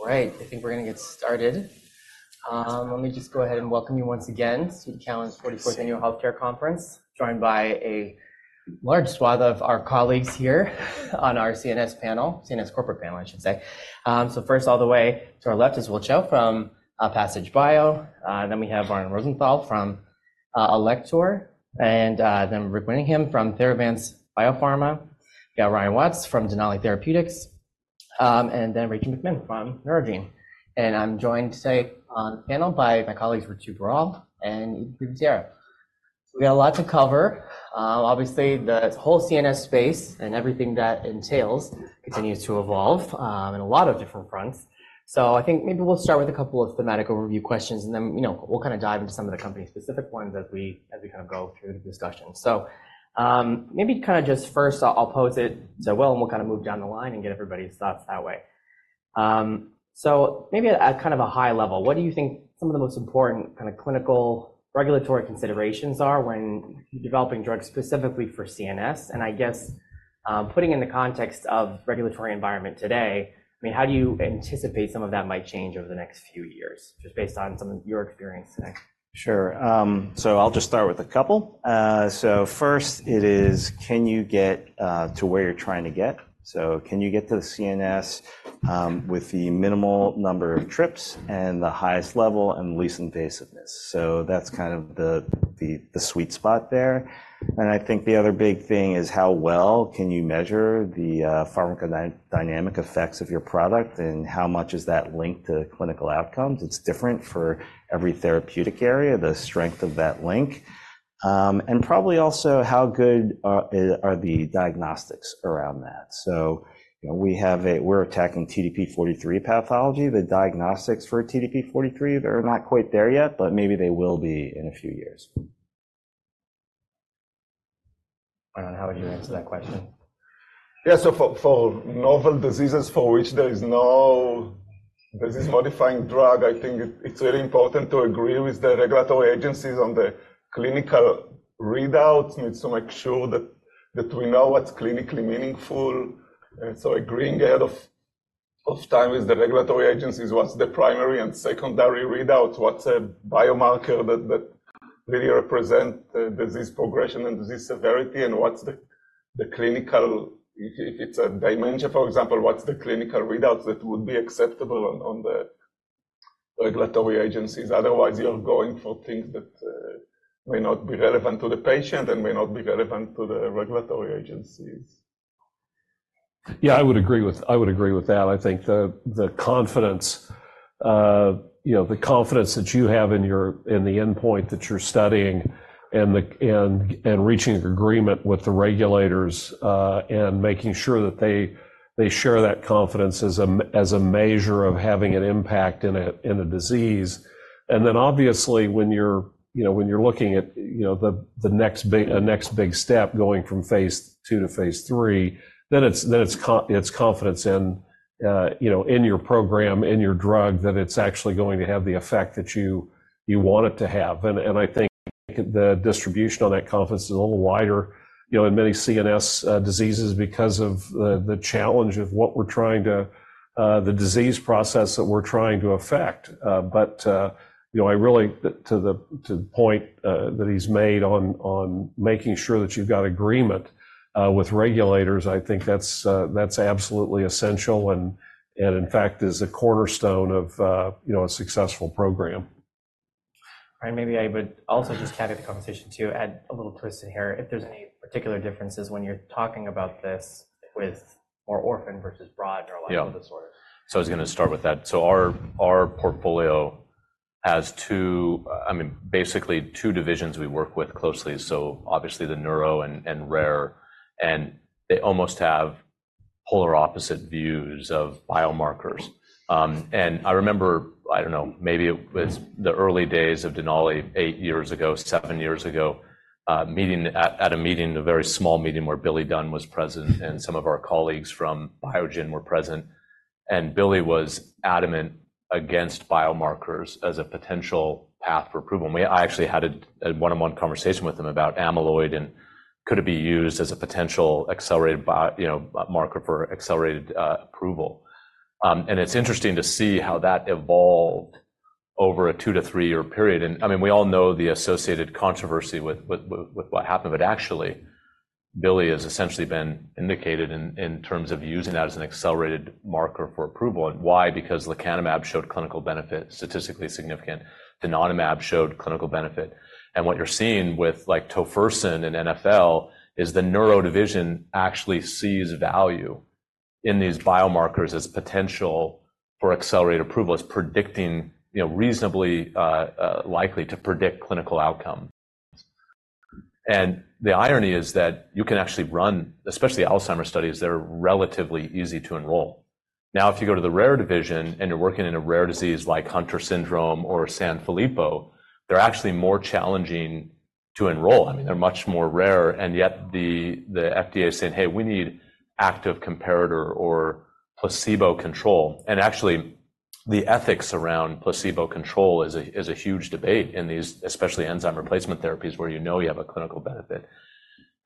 All right, I think we're going to get started. Let me just go ahead and welcome you once again to the TD Cowen's 44th Annual Health Care Conference, joined by a large swath of our colleagues here on our CNS panel, CNS corporate panel, I should say. So first, all the way to our left is Will Chou from Passage Bio, then we have Arnon Rosenthal from Alector, and then Rick Winningham from Theravance Biopharma, we got Ryan Watts from Denali Therapeutics, and then Rachel McMinn from Neurogene. And I'm joined today on the panel by my colleagues Ritu Baral and even previously Eric. So we got a lot to cover, obviously the whole CNS space and everything that entails continues to evolve, in a lot of different fronts. So I think maybe we'll start with a couple of thematic overview questions and then, you know, we'll kind of dive into some of the company-specific ones as we, as we kind of go through the discussion. So, maybe kind of just first I'll, I'll pose it to Will and we'll kind of move down the line and get everybody's thoughts that way. So maybe at kind of a high level, what do you think some of the most important kind of clinical regulatory considerations are when developing drugs specifically for CNS? And I guess, putting in the context of regulatory environment today, I mean, how do you anticipate some of that might change over the next few years, just based on some of your experience today? Sure, so I'll just start with a couple. So first it is, can you get to where you're trying to get? So can you get to the CNS with the minimal number of trips and the highest level and least invasiveness? So that's kind of the sweet spot there. And I think the other big thing is how well can you measure the pharmacodynamic effects of your product and how much is that linked to clinical outcomes? It's different for every therapeutic area, the strength of that link. And probably also how good are the diagnostics around that? So, you know, we're attacking TDP-43 pathology, the diagnostics for TDP-43, they're not quite there yet, but maybe they will be in a few years. How would you answer that question? Yeah, so for novel diseases for which there is no disease-modifying drug, I think it's really important to agree with the regulatory agencies on the clinical readouts. We need to make sure that we know what's clinically meaningful. And so agreeing ahead of time with the regulatory agencies, what's the primary and secondary readouts, what's a biomarker that really represents disease progression and disease severity, and what's the clinical, if it's a dementia, for example, what's the clinical readouts that would be acceptable on the regulatory agencies? Otherwise you're going for things that may not be relevant to the patient and may not be relevant to the regulatory agencies. Yeah, I would agree with that. I think the confidence, you know, the confidence that you have in the endpoint that you're studying and reaching an agreement with the regulators, and making sure that they share that confidence as a measure of having an impact in a disease. And then obviously when you're, you know, looking at the next big step going from phase II to phase III, then it's confidence in, you know, your program, in your drug, that it's actually going to have the effect that you want it to have. I think the distribution on that confidence is a little wider, you know, in many CNS diseases because of the challenge of the disease process that we're trying to affect. But you know, to the point that he's made on making sure that you've got agreement with regulators, I think that's absolutely essential and in fact is a cornerstone of, you know, a successful program. All right, maybe I would also just tag into the conversation too, add a little twist in here, if there's any particular differences when you're talking about this with more orphan versus broad neurological disorders. Yeah, so I was going to start with that. So our portfolio has two, I mean, basically two divisions we work with closely. So obviously the neuro and rare, and they almost have polar opposite views of biomarkers. And I remember, I don't know, maybe it was the early days of Denali 8 years ago, 7 years ago, meeting at a meeting, a very small meeting where Billy Dunn was present and some of our colleagues from Biogen were present. And Billy was adamant against biomarkers as a potential path for approval. And I actually had a one-on-one conversation with him about amyloid and could it be used as a potential accelerated biomarker, you know, for accelerated approval. And it's interesting to see how that evolved over a 2 year-3-year period. And I mean, we all know the associated controversy with what happened, but actually Billy has essentially been indicated in terms of using that as an accelerated marker for approval. And why? Because lecanemab showed clinical benefit, statistically significant. Donanemab showed clinical benefit. And what you're seeing with like tofersen and NfL is the neuro division actually sees value in these biomarkers as potential for accelerated approval, as predicting, you know, reasonably likely to predict clinical outcomes. And the irony is that you can actually run, especially Alzheimer's studies, they're relatively easy to enroll. Now if you go to the rare division and you're working in a rare disease like Hunter syndrome or Sanfilippo, they're actually more challenging to enroll. I mean, they're much more rare. Yet the FDA is saying, "Hey, we need active comparator or placebo control." Actually the ethics around placebo control is a huge debate in these, especially enzyme replacement therapies where you know you have a clinical benefit.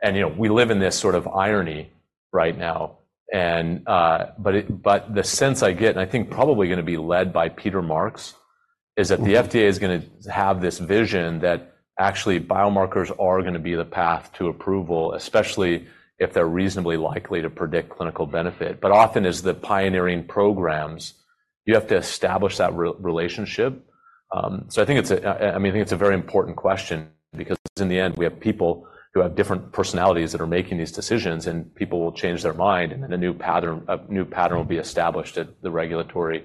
You know, we live in this sort of irony right now. But the sense I get, and I think probably going to be led by Peter Marks, is that the FDA is going to have this vision that actually biomarkers are going to be the path to approval, especially if they're reasonably likely to predict clinical benefit. But often as the pioneering programs, you have to establish that relationship. So I think it's a, I mean, I think it's a very important question because in the end we have people who have different personalities that are making these decisions and people will change their mind and then a new pattern, a new pattern will be established at the regulatory,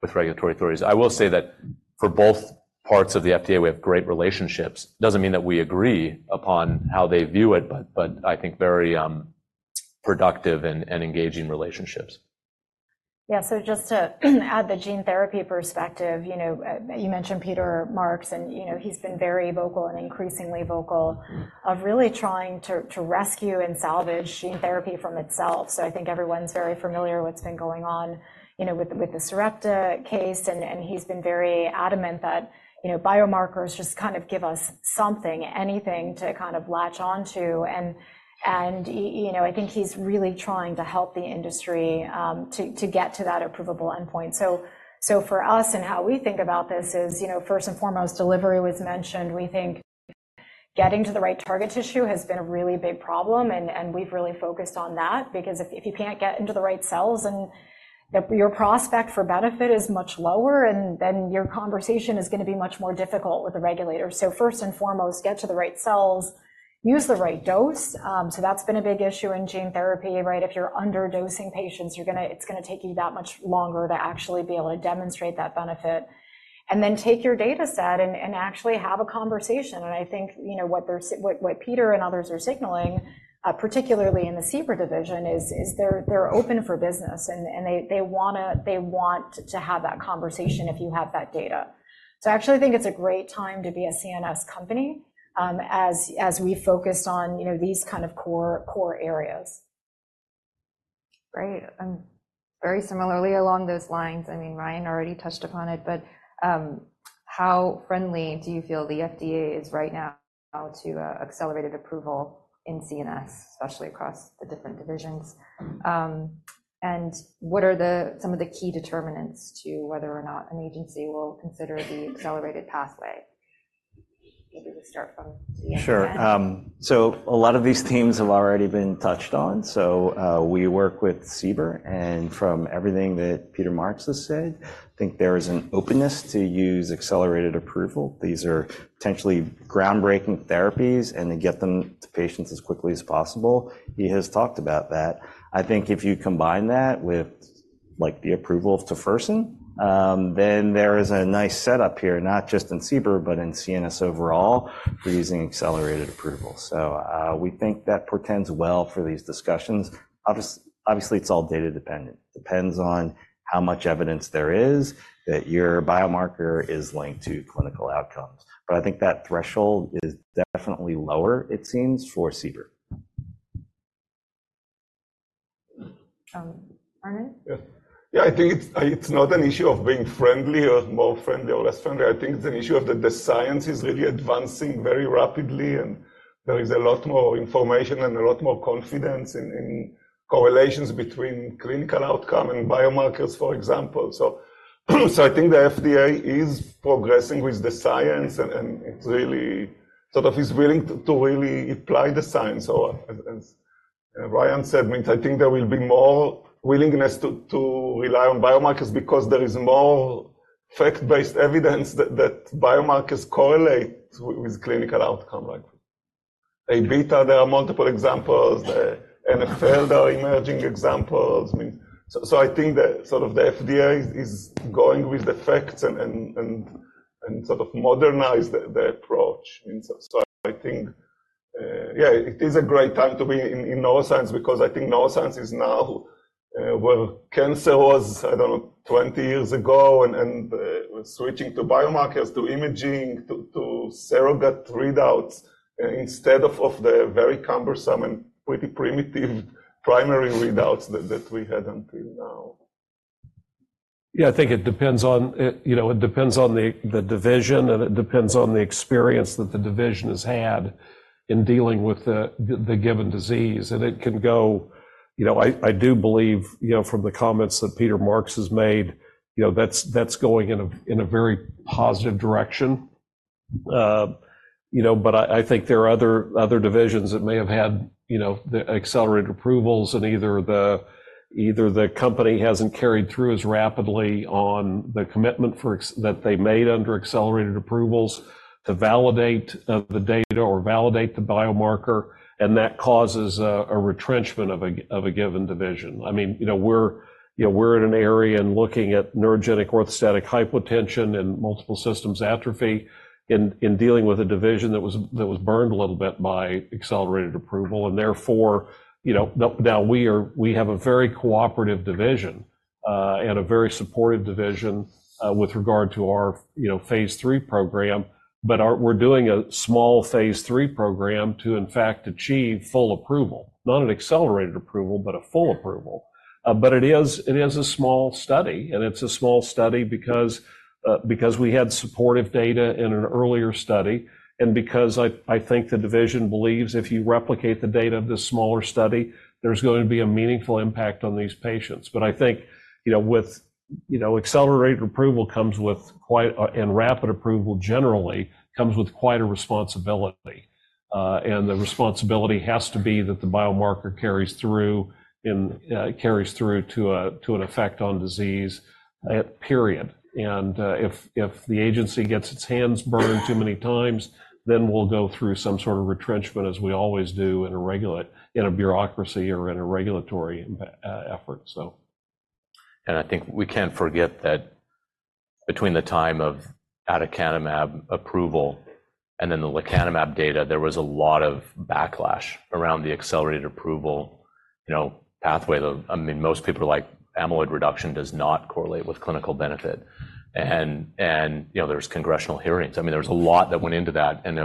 with regulatory authorities. I will say that for both parts of the FDA we have great relationships. It doesn't mean that we agree upon how they view it, but, but I think very productive and engaging relationships. Yeah, so just to add the gene therapy perspective, you know, you mentioned Peter Marks and you know, he's been very vocal and increasingly vocal about really trying to rescue and salvage gene therapy from itself. So I think everyone's very familiar with what's been going on, you know, with the Sarepta case and he's been very adamant that, you know, biomarkers just kind of give us something, anything to kind of latch onto. And you know, I think he's really trying to help the industry to get to that approvable endpoint. So for us and how we think about this is, you know, first and foremost, delivery was mentioned. We think getting to the right target tissue has been a really big problem, and we've really focused on that because if you can't get into the right cells and your prospect for benefit is much lower and then your conversation is going to be much more difficult with the regulators. So first and foremost, get to the right cells, use the right dose. So that's been a big issue in gene therapy, right? If you're underdosing patients, it's going to take you that much longer to actually be able to demonstrate that benefit. And then take your data set and actually have a conversation. I think, you know, what they're, what Peter and others are signaling, particularly in the CBER division, is they're open for business and they want to have that conversation if you have that data. I actually think it's a great time to be a CNS company, as we focus on, you know, these kind of core areas. Great. Very similarly along those lines, I mean, Ryan already touched upon it, but how friendly do you feel the FDA is right now to accelerated approval in CNS, especially across the different divisions? And what are some of the key determinants to whether or not an agency will consider the accelerated pathway? Maybe we start from the end. Sure. So a lot of these themes have already been touched on. So, we work with CBER and from everything that Peter Marks has said, I think there is an openness to use accelerated approval. These are potentially groundbreaking therapies and to get them to patients as quickly as possible. He has talked about that. I think if you combine that with like the approval of tofersen, then there is a nice setup here, not just in CBER, but in CNS overall for using accelerated approval. So, we think that portends well for these discussions. Obviously, obviously it's all data dependent. Depends on how much evidence there is that your biomarker is linked to clinical outcomes. But I think that threshold is definitely lower, it seems, for CBER. Arnon? Yeah, yeah, I think it's not an issue of being friendly or more friendly or less friendly. I think it's an issue of the science really advancing very rapidly and there is a lot more information and a lot more confidence in correlations between clinical outcome and biomarkers, for example. So I think the FDA is progressing with the science and it's really sort of willing to really apply the science. So as Ryan said, means I think there will be more willingness to rely on biomarkers because there is more fact-based evidence that biomarkers correlate with clinical outcome like this. Aβ, there are multiple examples. The NfL, there are emerging examples. I mean, so I think the sort of the FDA is going with the facts and sort of modernize the approach. I mean, so I think, yeah, it is a great time to be in neuroscience because I think neuroscience is now where cancer was, I don't know, 20 years ago and switching to biomarkers, to imaging, to surrogate readouts instead of the very cumbersome and pretty primitive primary readouts that we had until now. Yeah, I think it depends on, you know, it depends on the division and it depends on the experience that the division has had in dealing with the given disease. And it can go, you know, I do believe, you know, from the comments that Peter Marks has made, you know, that's going in a very positive direction. You know, but I think there are other divisions that may have had, you know, the accelerated approvals and either the company hasn't carried through as rapidly on the commitment for that they made under accelerated approvals to validate the data or validate the biomarker. And that causes a retrenchment of a given division. I mean, you know, we're, you know, we're in an area and looking at neurogenic orthostatic hypotension and multiple system atrophy in, in dealing with a division that was, that was burned a little bit by accelerated approval. And therefore, you know, now we are, we have a very cooperative division, and a very supportive division, with regard to our, you know, phase III program. But our, we're doing a small phase III program to in fact achieve full approval, not an accelerated approval, but a full approval. But it is, it is a small study and it's a small study because, because we had supportive data in an earlier study and because I, I think the division believes if you replicate the data of this smaller study, there's going to be a meaningful impact on these patients. But I think, you know, with, you know, accelerated approval comes with quite a responsibility, and rapid approval generally comes with quite a responsibility. And the responsibility has to be that the biomarker carries through in, carries through to a, to an effect on disease, period. And, if, if the agency gets its hands burned too many times, then we'll go through some sort of retrenchment as we always do in a regulatory bureaucracy or in a regulatory effort. So. I think we can't forget that between the time of aducanumab approval and then the lecanemab data, there was a lot of backlash around the accelerated approval, you know, pathway. I mean, most people are like, amyloid reduction does not correlate with clinical benefit. And you know, there's congressional hearings. I mean, there's a lot that went into that, and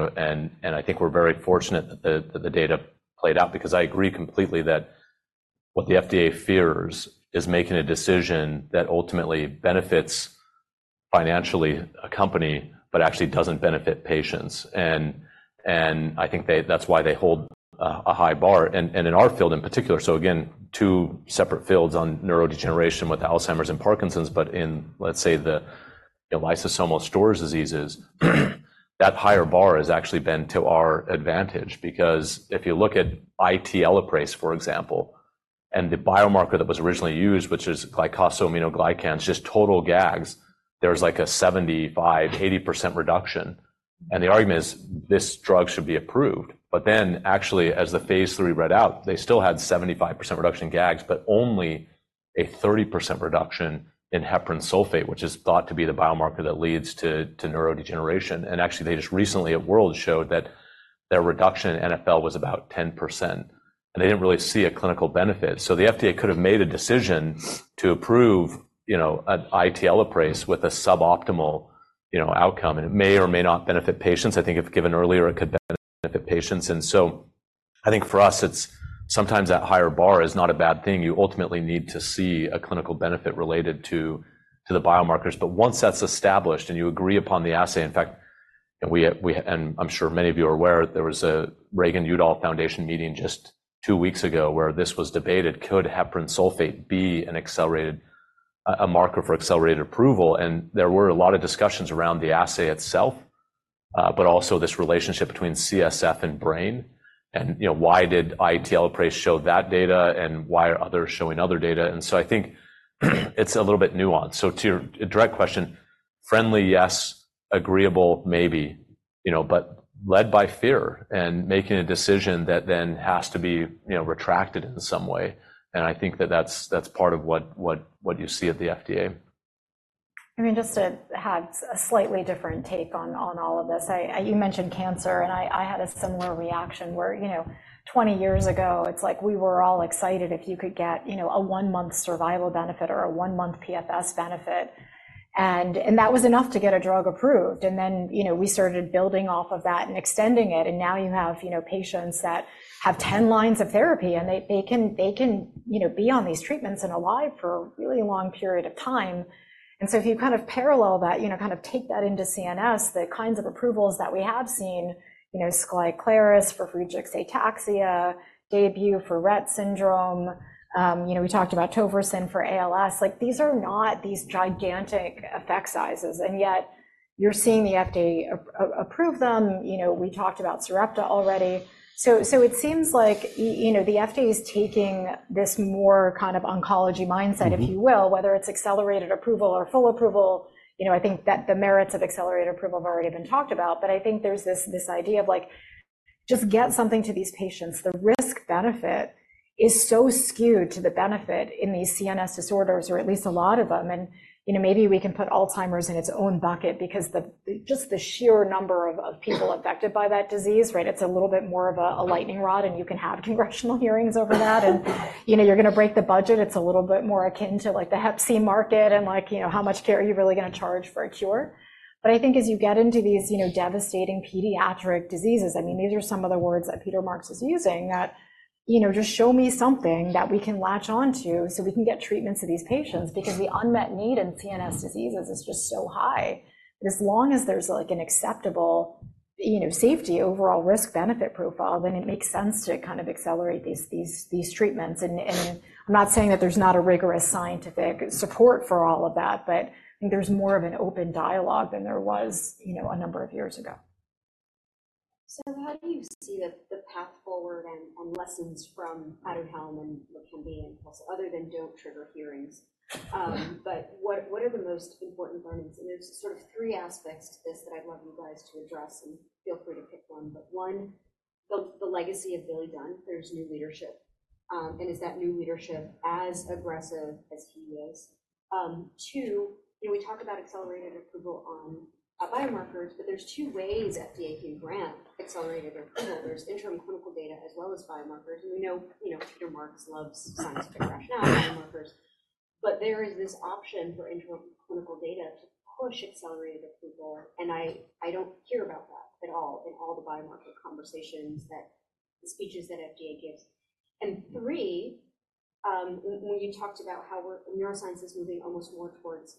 I think we're very fortunate that the data played out because I agree completely that what the FDA fears is making a decision that ultimately benefits financially a company, but actually doesn't benefit patients. And I think that's why they hold a high bar. In our field in particular, so again, two separate fields on neurodegeneration with Alzheimer's and Parkinson's, but in, let's say, the, you know, lysosomal storage diseases, that higher bar has actually been to our advantage because if you look at IT Elaprase, for example, and the biomarker that was originally used, which is glycosaminoglycans, just total GAGs, there's like a 75%-80% reduction. And the argument is this drug should be approved. But then actually as the phase III read out, they still had 75% reduction GAGs, but only a 30% reduction in heparan sulfate, which is thought to be the biomarker that leads to neurodegeneration. And actually they just recently at World showed that their reduction in NfL was about 10%. And they didn't really see a clinical benefit. So the FDA could have made a decision to approve, you know, an IT Elaprase with a suboptimal, you know, outcome. And it may or may not benefit patients. I think if given earlier, it could benefit patients. And so I think for us, it's sometimes that higher bar is not a bad thing. You ultimately need to see a clinical benefit related to, to the biomarkers. But once that's established and you agree upon the assay, in fact, and we, we and I'm sure many of you are aware, there was a Reagan-Udall Foundation meeting just two weeks ago where this was debated. Could heparan sulfate be an accelerated, a marker for accelerated approval? And there were a lot of discussions around the assay itself, but also this relationship between CSF and brain. You know, why did IT Elaprase show that data and why are others showing other data? So I think it's a little bit nuanced. To your direct question, friendly, yes, agreeable, maybe, you know, but led by fear and making a decision that then has to be, you know, retracted in some way. And I think that's part of what, what, what you see at the FDA. I mean, just to have a slightly different take on, on all of this. I, you mentioned cancer and I, I had a similar reaction where, you know, 20 years ago, it's like we were all excited if you could get, you know, a 1-month survival benefit or a 1-month PFS benefit. And, and that was enough to get a drug approved. And then, you know, we started building off of that and extending it. And now you have, you know, patients that have 10 lines of therapy and they, they can, they can, you know, be on these treatments and alive for a really long period of time. So if you kind of parallel that, you know, kind of take that into CNS, the kinds of approvals that we have seen, you know, Skyclarys for Friedreich's ataxia, Daybue for Rett syndrome, you know, we talked about tofersen for ALS. Like these are not these gigantic effect sizes. And yet you're seeing the FDA approve them. You know, we talked about Sarepta already. So it seems like, you know, the FDA is taking this more kind of oncology mindset, if you will, whether it's accelerated approval or full approval. You know, I think that the merits of accelerated approval have already been talked about. But I think there's this, this idea of like, just get something to these patients. The risk-benefit is so skewed to the benefit in these CNS disorders or at least a lot of them. And, you know, maybe we can put Alzheimer's in its own bucket because the sheer number of people affected by that disease, right? It's a little bit more of a lightning rod and you can have congressional hearings over that. And, you know, you're going to break the budget. It's a little bit more akin to like the Hep C market and like, you know, how much care are you really going to charge for a cure? But I think as you get into these, you know, devastating pediatric diseases, I mean, these are some of the words that Peter Marks is using that, you know, just show me something that we can latch onto so we can get treatments to these patients because the unmet need in CNS diseases is just so high. And as long as there's like an acceptable, you know, safety overall risk-benefit profile, then it makes sense to kind of accelerate these treatments. And I'm not saying that there's not a rigorous scientific support for all of that, but I think there's more of an open dialogue than there was, you know, a number of years ago. So how do you see the path forward and lessons from Aduhelm and Leqembi and also other than don't trigger hearings? But what are the most important learnings? And there's sort of three aspects to this that I'd love you guys to address and feel free to pick one. But one, the legacy of Billy Dunn. There's new leadership, and is that new leadership as aggressive as he is? Two, you know, we talk about accelerated approval on biomarkers, but there's two ways FDA can grant accelerated approval. There's interim clinical data as well as biomarkers. And we know, you know, Peter Marks loves scientific rationale biomarkers. But there is this option for interim clinical data to push accelerated approval. And I don't hear about that at all in all the biomarker conversations that speeches that FDA gives. And three, when you talked about how neuroscience is moving almost more towards,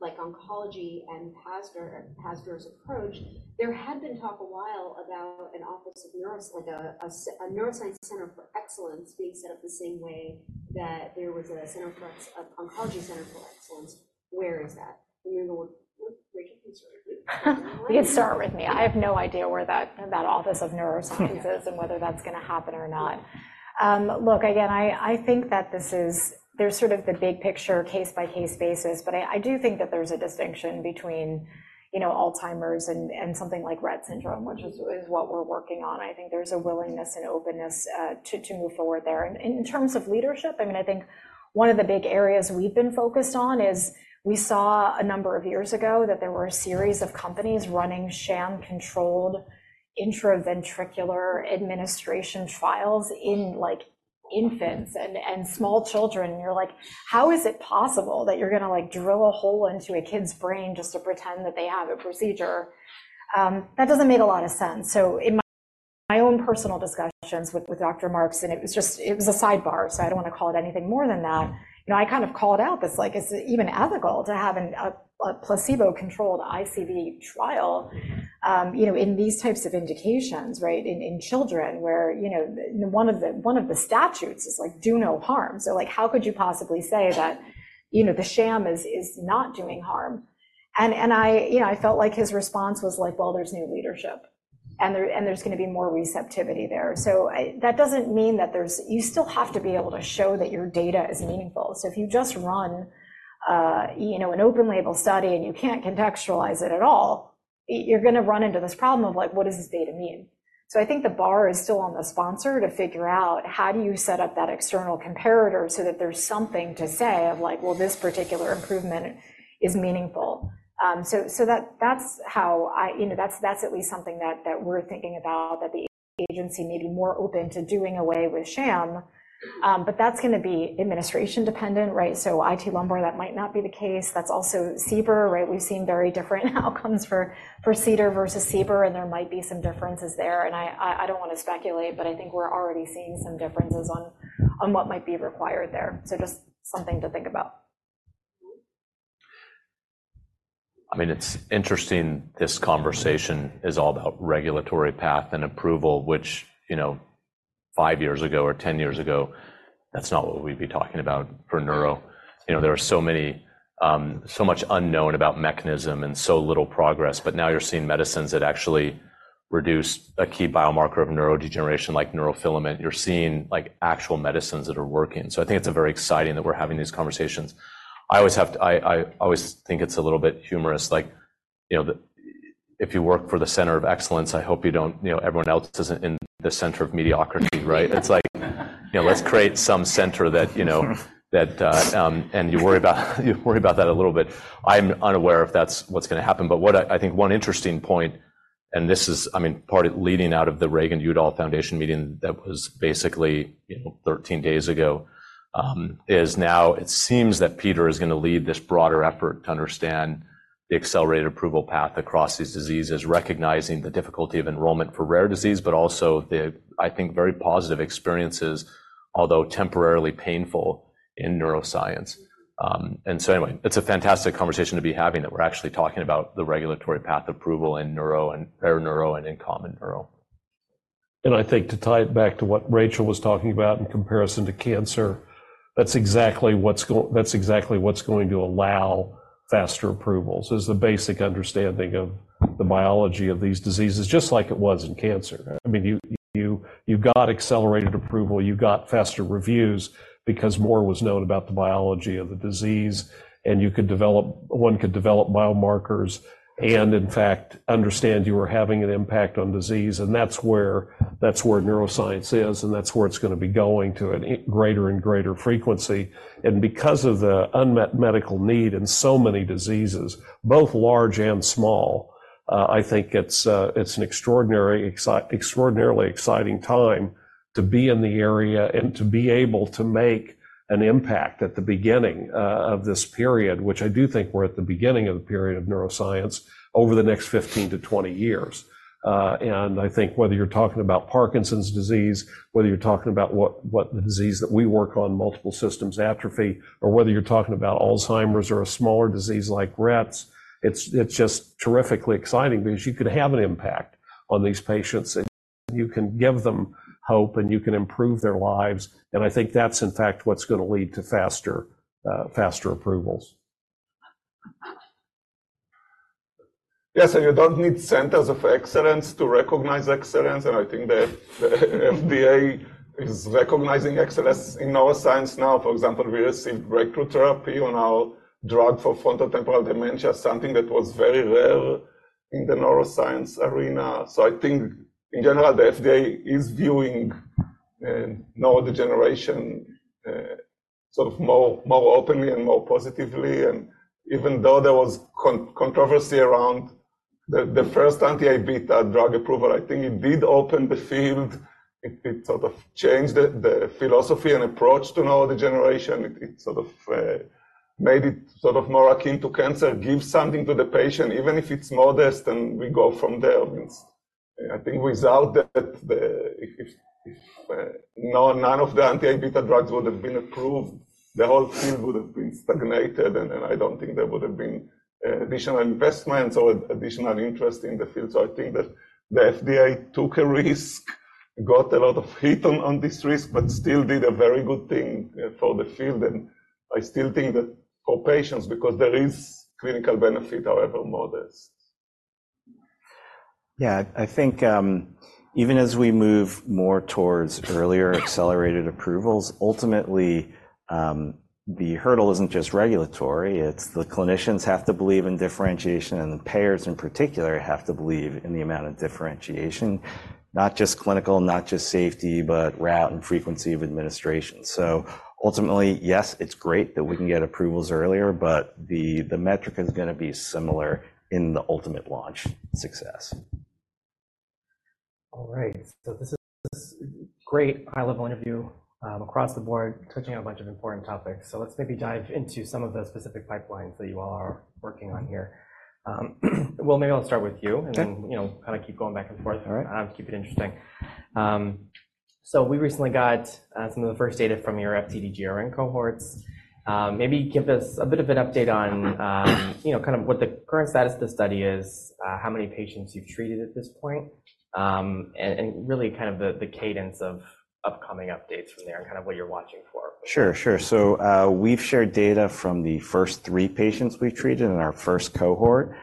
like oncology and FDA's approach, there had been talk a while about an office of neuro, like a neuroscience center for excellence being set up the same way that there was a center for, of oncology center for excellence. Where is that? You can start with me. I have no idea where that, that office of neuroscience is and whether that's going to happen or not. Look, again, I, I think that this is, there's sort of the big picture case-by-case basis, but I, I do think that there's a distinction between, you know, Alzheimer's and, and something like Rett syndrome, which is, is what we're working on. I think there's a willingness and openness, to, to move forward there. And in terms of leadership, I mean, I think one of the big areas we've been focused on is we saw a number of years ago that there were a series of companies running sham-controlled intraventricular administration trials in like infants and, and small children. And you're like, how is it possible that you're going to like drill a hole into a kid's brain just to pretend that they have a procedure? That doesn't make a lot of sense. So in my own personal discussions with Dr. Marks, and it was just a sidebar, so I don't want to call it anything more than that. You know, I kind of called out this like, is it even ethical to have a placebo-controlled ICD trial, you know, in these types of indications, right, in children where, you know, one of the statutes is like do no harm. So like, how could you possibly say that, you know, the sham is not doing harm? And I, you know, I felt like his response was like, well, there's new leadership and there, and there's going to be more receptivity there. So that doesn't mean that there's, you still have to be able to show that your data is meaningful. So if you just run, you know, an open-label study and you can't contextualize it at all, you're going to run into this problem of like, what does this data mean? So I think the bar is still on the sponsor to figure out how do you set up that external comparator so that there's something to say of like, well, this particular improvement is meaningful. So that, that's how I, you know, that's at least something that we're thinking about, that the agency may be more open to doing away with sham. But that's going to be administration dependent, right? So IT lumbar, that might not be the case. That's also CBER, right? We've seen very different outcomes for CBER versus CDER, and there might be some differences there. And I don't want to speculate, but I think we're already seeing some differences on what might be required there. So just something to think about. I mean, it's interesting. This conversation is all about regulatory path and approval, which, you know, 5 years ago or 10 years ago, that's not what we'd be talking about for neuro. You know, there are so many, so much unknown about mechanism and so little progress. But now you're seeing medicines that actually reduce a key biomarker of neurodegeneration like neurofilament. You're seeing like actual medicines that are working. So I think it's very exciting that we're having these conversations. I always have to, I, I always think it's a little bit humorous. Like, you know, if you work for the center of excellence, I hope you don't, you know, everyone else isn't in the center of mediocrity, right? It's like, you know, let's create some center that, you know, that, and you worry about, you worry about that a little bit. I'm unaware if that's what's going to happen. But what I, I think one interesting point, and this is, I mean, part of leading out of the Reagan-Udall Foundation meeting that was basically, you know, 13 days ago, is now it seems that Peter is going to lead this broader effort to understand the accelerated approval path across these diseases, recognizing the difficulty of enrollment for rare disease, but also the, I think, very positive experiences, although temporarily painful, in neuroscience. And so anyway, it's a fantastic conversation to be having that we're actually talking about the regulatory path approval in neuro and rare neuro and in common neuro. And I think to tie it back to what Rachel was talking about in comparison to cancer, that's exactly what's going, that's exactly what's going to allow faster approvals is the basic understanding of the biology of these diseases, just like it was in cancer. I mean, you, you, you got accelerated approval. You got faster reviews because more was known about the biology of the disease. And you could develop, one could develop biomarkers and in fact understand you were having an impact on disease. And that's where, that's where neuroscience is and that's where it's going to be going to a greater and greater frequency. Because of the unmet medical need in so many diseases, both large and small, I think it's, it's an extraordinary, extraordinarily exciting time to be in the area and to be able to make an impact at the beginning of this period, which I do think we're at the beginning of the period of neuroscience over the next 15 years-20 years. I think whether you're talking about Parkinson's disease, whether you're talking about what, what the disease that we work on, multiple system atrophy, or whether you're talking about Alzheimer's or a smaller disease like Rett, it's, it's just terrifically exciting because you could have an impact on these patients and you can give them hope and you can improve their lives. And I think that's in fact what's going to lead to faster, faster approvals. Yeah. So you don't need centers of excellence to recognize excellence. And I think the FDA is recognizing excellence in neuroscience now. For example, we received breakthrough therapy on our drug for frontotemporal dementia, something that was very rare in the neuroscience arena. So I think in general, the FDA is viewing neurodegeneration sort of more openly and more positively. And even though there was controversy around the first anti-Aβ drug approval, I think it did open the field. It sort of changed the philosophy and approach to neurodegeneration. It sort of made it sort of more akin to cancer, give something to the patient, even if it's modest and we go from there. I mean, I think without that, if none of the anti-Aβ drugs would have been approved, the whole field would have been stagnated. I don't think there would have been additional investments or additional interest in the field. So I think that the FDA took a risk, got a lot of heat on this risk, but still did a very good thing for the field. And I still think that for patients, because there is clinical benefit, however modest. Yeah. I think, even as we move more towards earlier accelerated approvals, ultimately, the hurdle isn't just regulatory. It's the clinicians have to believe in differentiation and the payers in particular have to believe in the amount of differentiation, not just clinical, not just safety, but route and frequency of administration. So ultimately, yes, it's great that we can get approvals earlier, but the metric is going to be similar in the ultimate launch success. All right. So this is a great high-level interview, across the board, touching on a bunch of important topics. So let's maybe dive into some of the specific pipelines that you all are working on here. Well, maybe I'll start with you and then, you know, kind of keep going back and forth. All right. Keep it interesting. We recently got some of the first data from your FTD-GRN cohorts. Maybe give us a bit of an update on, you know, kind of what the current status of the study is, how many patients you've treated at this point, and really kind of the cadence of upcoming updates from there and kind of what you're watching for. Sure, sure. So, we've shared data from the first three patients we've treated in our first cohort.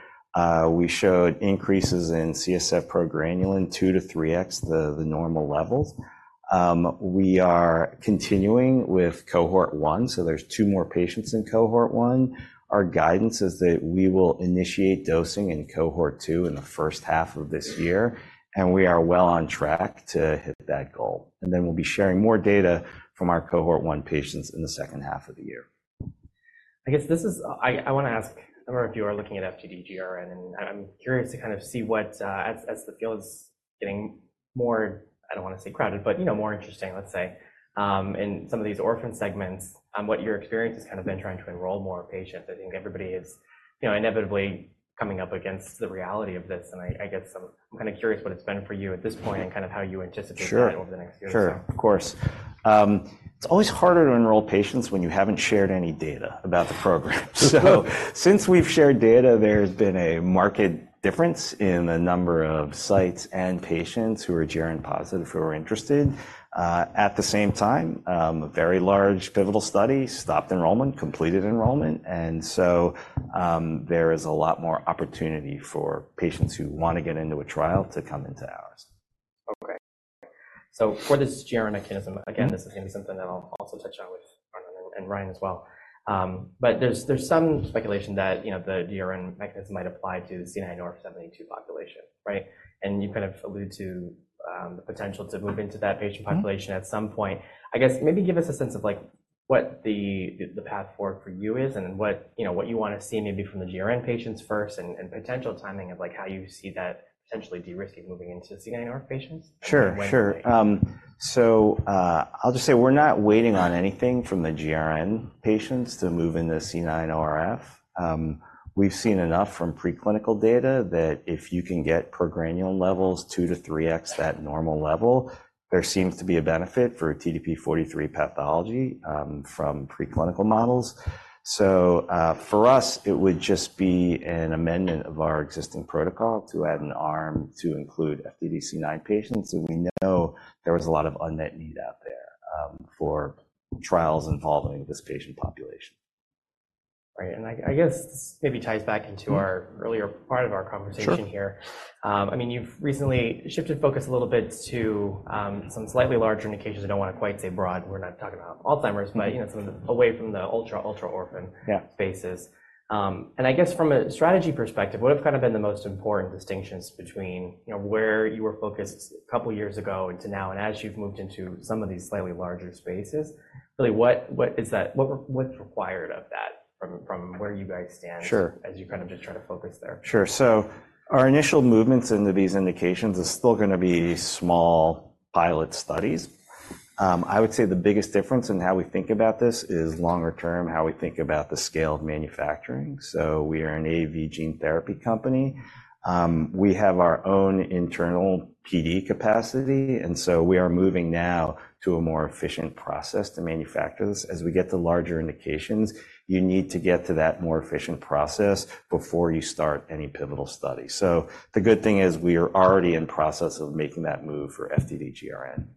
We showed increases in CSF progranulin 2x-3x the normal levels. We are continuing with cohort one, so there's two more patients in cohort one. Our guidance is that we will initiate dosing in cohort two in the first half of this year, and we are well on track to hit that goal. Then we'll be sharing more data from our cohort one patients in the second half of the year. I guess this is. I want to ask a number of you who are looking at FTD-GRN, and I'm curious to kind of see what, as the field is getting more, I don't want to say crowded, but, you know, more interesting, let's say, in some of these orphan segments, what your experience has kind of been trying to enroll more patients. I think everybody is, you know, inevitably coming up against the reality of this. I get some. I'm kind of curious what it's been for you at this point and kind of how you anticipate that over the next year or so. Sure, sure. Of course. It's always harder to enroll patients when you haven't shared any data about the program. So since we've shared data, there's been a marked difference in the number of sites and patients who are GRN positive, who are interested. At the same time, a very large pivotal study stopped enrollment, completed enrollment. And so, there is a lot more opportunity for patients who want to get into a trial to come into ours. Okay. So for this GRN mechanism, again, this is going to be something that I'll also touch on with Arnon and Ryan as well. But there's some speculation that, you know, the GRN mechanism might apply to the C9orf72 population, right? And you kind of alluded to the potential to move into that patient population at some point. I guess maybe give us a sense of like what the path forward for you is and what, you know, what you want to see maybe from the GRN patients first and potential timing of like how you see that potentially de-risking moving into C9orf72 patients. Sure, sure. So, I'll just say we're not waiting on anything from the GRN patients to move into C9orf72. We've seen enough from preclinical data that if you can get progranulin levels 2-3x that normal level, there seems to be a benefit for TDP-43 pathology, from preclinical models. So, for us, it would just be an amendment of our existing protocol to add an arm to include FTD-C9orf72 patients. And we know there was a lot of unmet need out there, for trials involving this patient population. Right. And I, I guess this maybe ties back into our earlier part of our conversation here. I mean, you've recently shifted focus a little bit to, some slightly larger indications. I don't want to quite say broad. We're not talking about Alzheimer's, but, you know, some of the away from the ultra, ultra-orphan spaces. And I guess from a strategy perspective, what have kind of been the most important distinctions between, you know, where you were focused a couple of years ago and to now, and as you've moved into some of these slightly larger spaces, really what, what is that, what, what's required of that from, from where you guys stand as you kind of just try to focus there? Sure. Sure. So our initial movements into these indications are still going to be small pilot studies. I would say the biggest difference in how we think about this is longer term, how we think about the scale of manufacturing. So we are an AAV gene therapy company. We have our own internal PD capacity. And so we are moving now to a more efficient process to manufacture this. As we get to larger indications, you need to get to that more efficient process before you start any pivotal study. So the good thing is we are already in the process of making that move for FTD-GRN.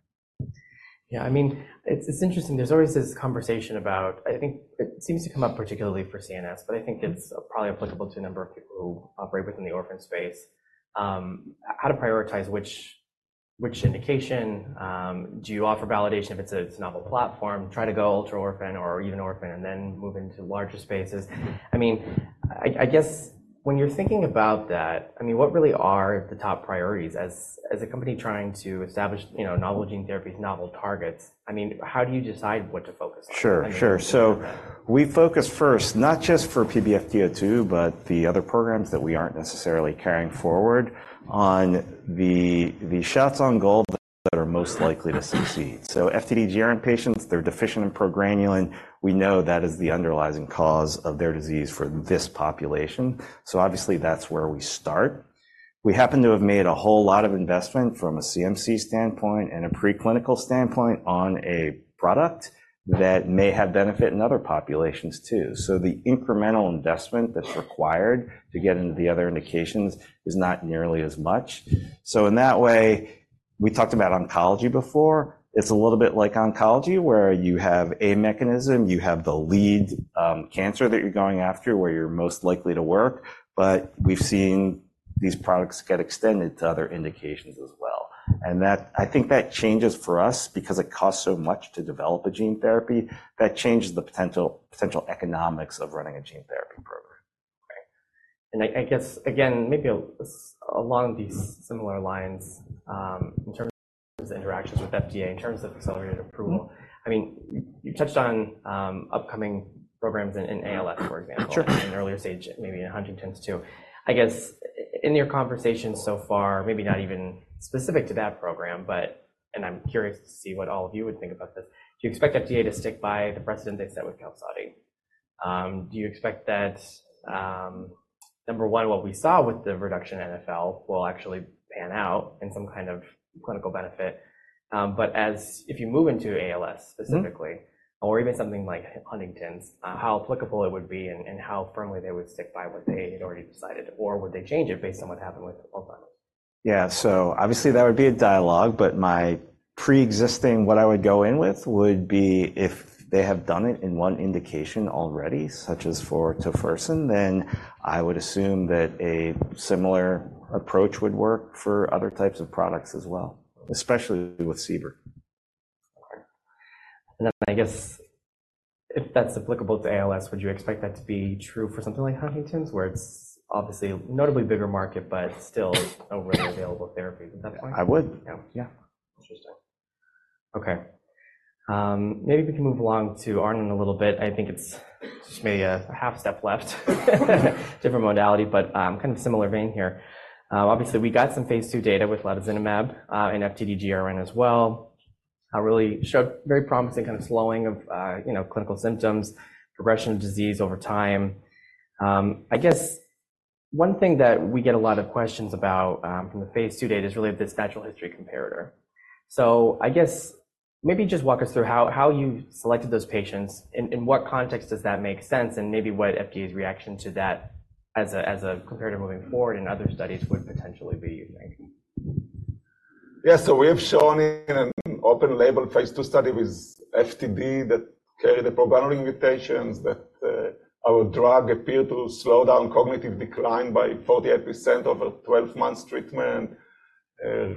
Yeah. I mean, it's interesting. There's always this conversation about, I think it seems to come up particularly for CNS, but I think it's probably applicable to a number of people who operate within the orphan space, how to prioritize which indication do you offer validation if it's a novel platform, try to go ultra-orphan or even orphan, and then move into larger spaces. I mean, I guess when you're thinking about that, I mean, what really are the top priorities as a company trying to establish, you know, novel gene therapies, novel targets? I mean, how do you decide what to focus on? Sure, sure. So we focus first, not just for PBFT02, but the other programs that we aren't necessarily carrying forward on the shots on goal that are most likely to succeed. So FTD-GRN patients, they're deficient in progranulin. We know that is the underlying cause of their disease for this population. So obviously that's where we start. We happen to have made a whole lot of investment from a CMC standpoint and a preclinical standpoint on a product that may have benefit in other populations too. So the incremental investment that's required to get into the other indications is not nearly as much. So in that way, we talked about oncology before. It's a little bit like oncology where you have a mechanism, you have the lead, cancer that you're going after where you're most likely to work, but we've seen these products get extended to other indications as well. And that, I think that changes for us because it costs so much to develop a gene therapy that changes the potential, potential economics of running a gene therapy program. Okay. And I guess again, maybe along these similar lines, in terms of the interactions with FDA, in terms of accelerated approval, I mean, you touched on upcoming programs in ALS, for example, in earlier stage, maybe in Huntington's too. I guess in your conversation so far, maybe not even specific to that program, but, and I'm curious to see what all of you would think about this, do you expect FDA to stick by the precedent they set with Qalsody? Do you expect that, number one, what we saw with the reduction in NfL will actually pan out in some kind of clinical benefit? But as if you move into ALS specifically, or even something like Huntington's, how applicable it would be and how firmly they would stick by what they had already decided, or would they change it based on what happened with Alzheimer's? Yeah. So obviously that would be a dialogue, but my preexisting, what I would go in with would be if they have done it in one indication already, such as for tofersen, then I would assume that a similar approach would work for other types of products as well, especially with CBER. Okay. Then I guess if that's applicable to ALS, would you expect that to be true for something like Huntington's where it's obviously a notably bigger market, but still overly available therapies at that point? I would. Yeah. Yeah. Interesting. Okay. Maybe we can move along to Arnon a little bit. I think it's just maybe a half step left, different modality, but kind of similar vein here. Obviously we got some phase II data with latozinemab, and FTD-GRN as well, really showed very promising kind of slowing of, you know, clinical symptoms, progression of disease over time. I guess one thing that we get a lot of questions about, from the phase II data is really this natural history comparator. So I guess maybe just walk us through how, how you selected those patients and, and what context does that make sense and maybe what FDA's reaction to that as a, as a comparator moving forward and other studies would potentially be, you think? Yeah. So we have shown in an open-label phase II study with FTD that carried the progranulin mutations that our drug appeared to slow down cognitive decline by 48% over 12 months treatment,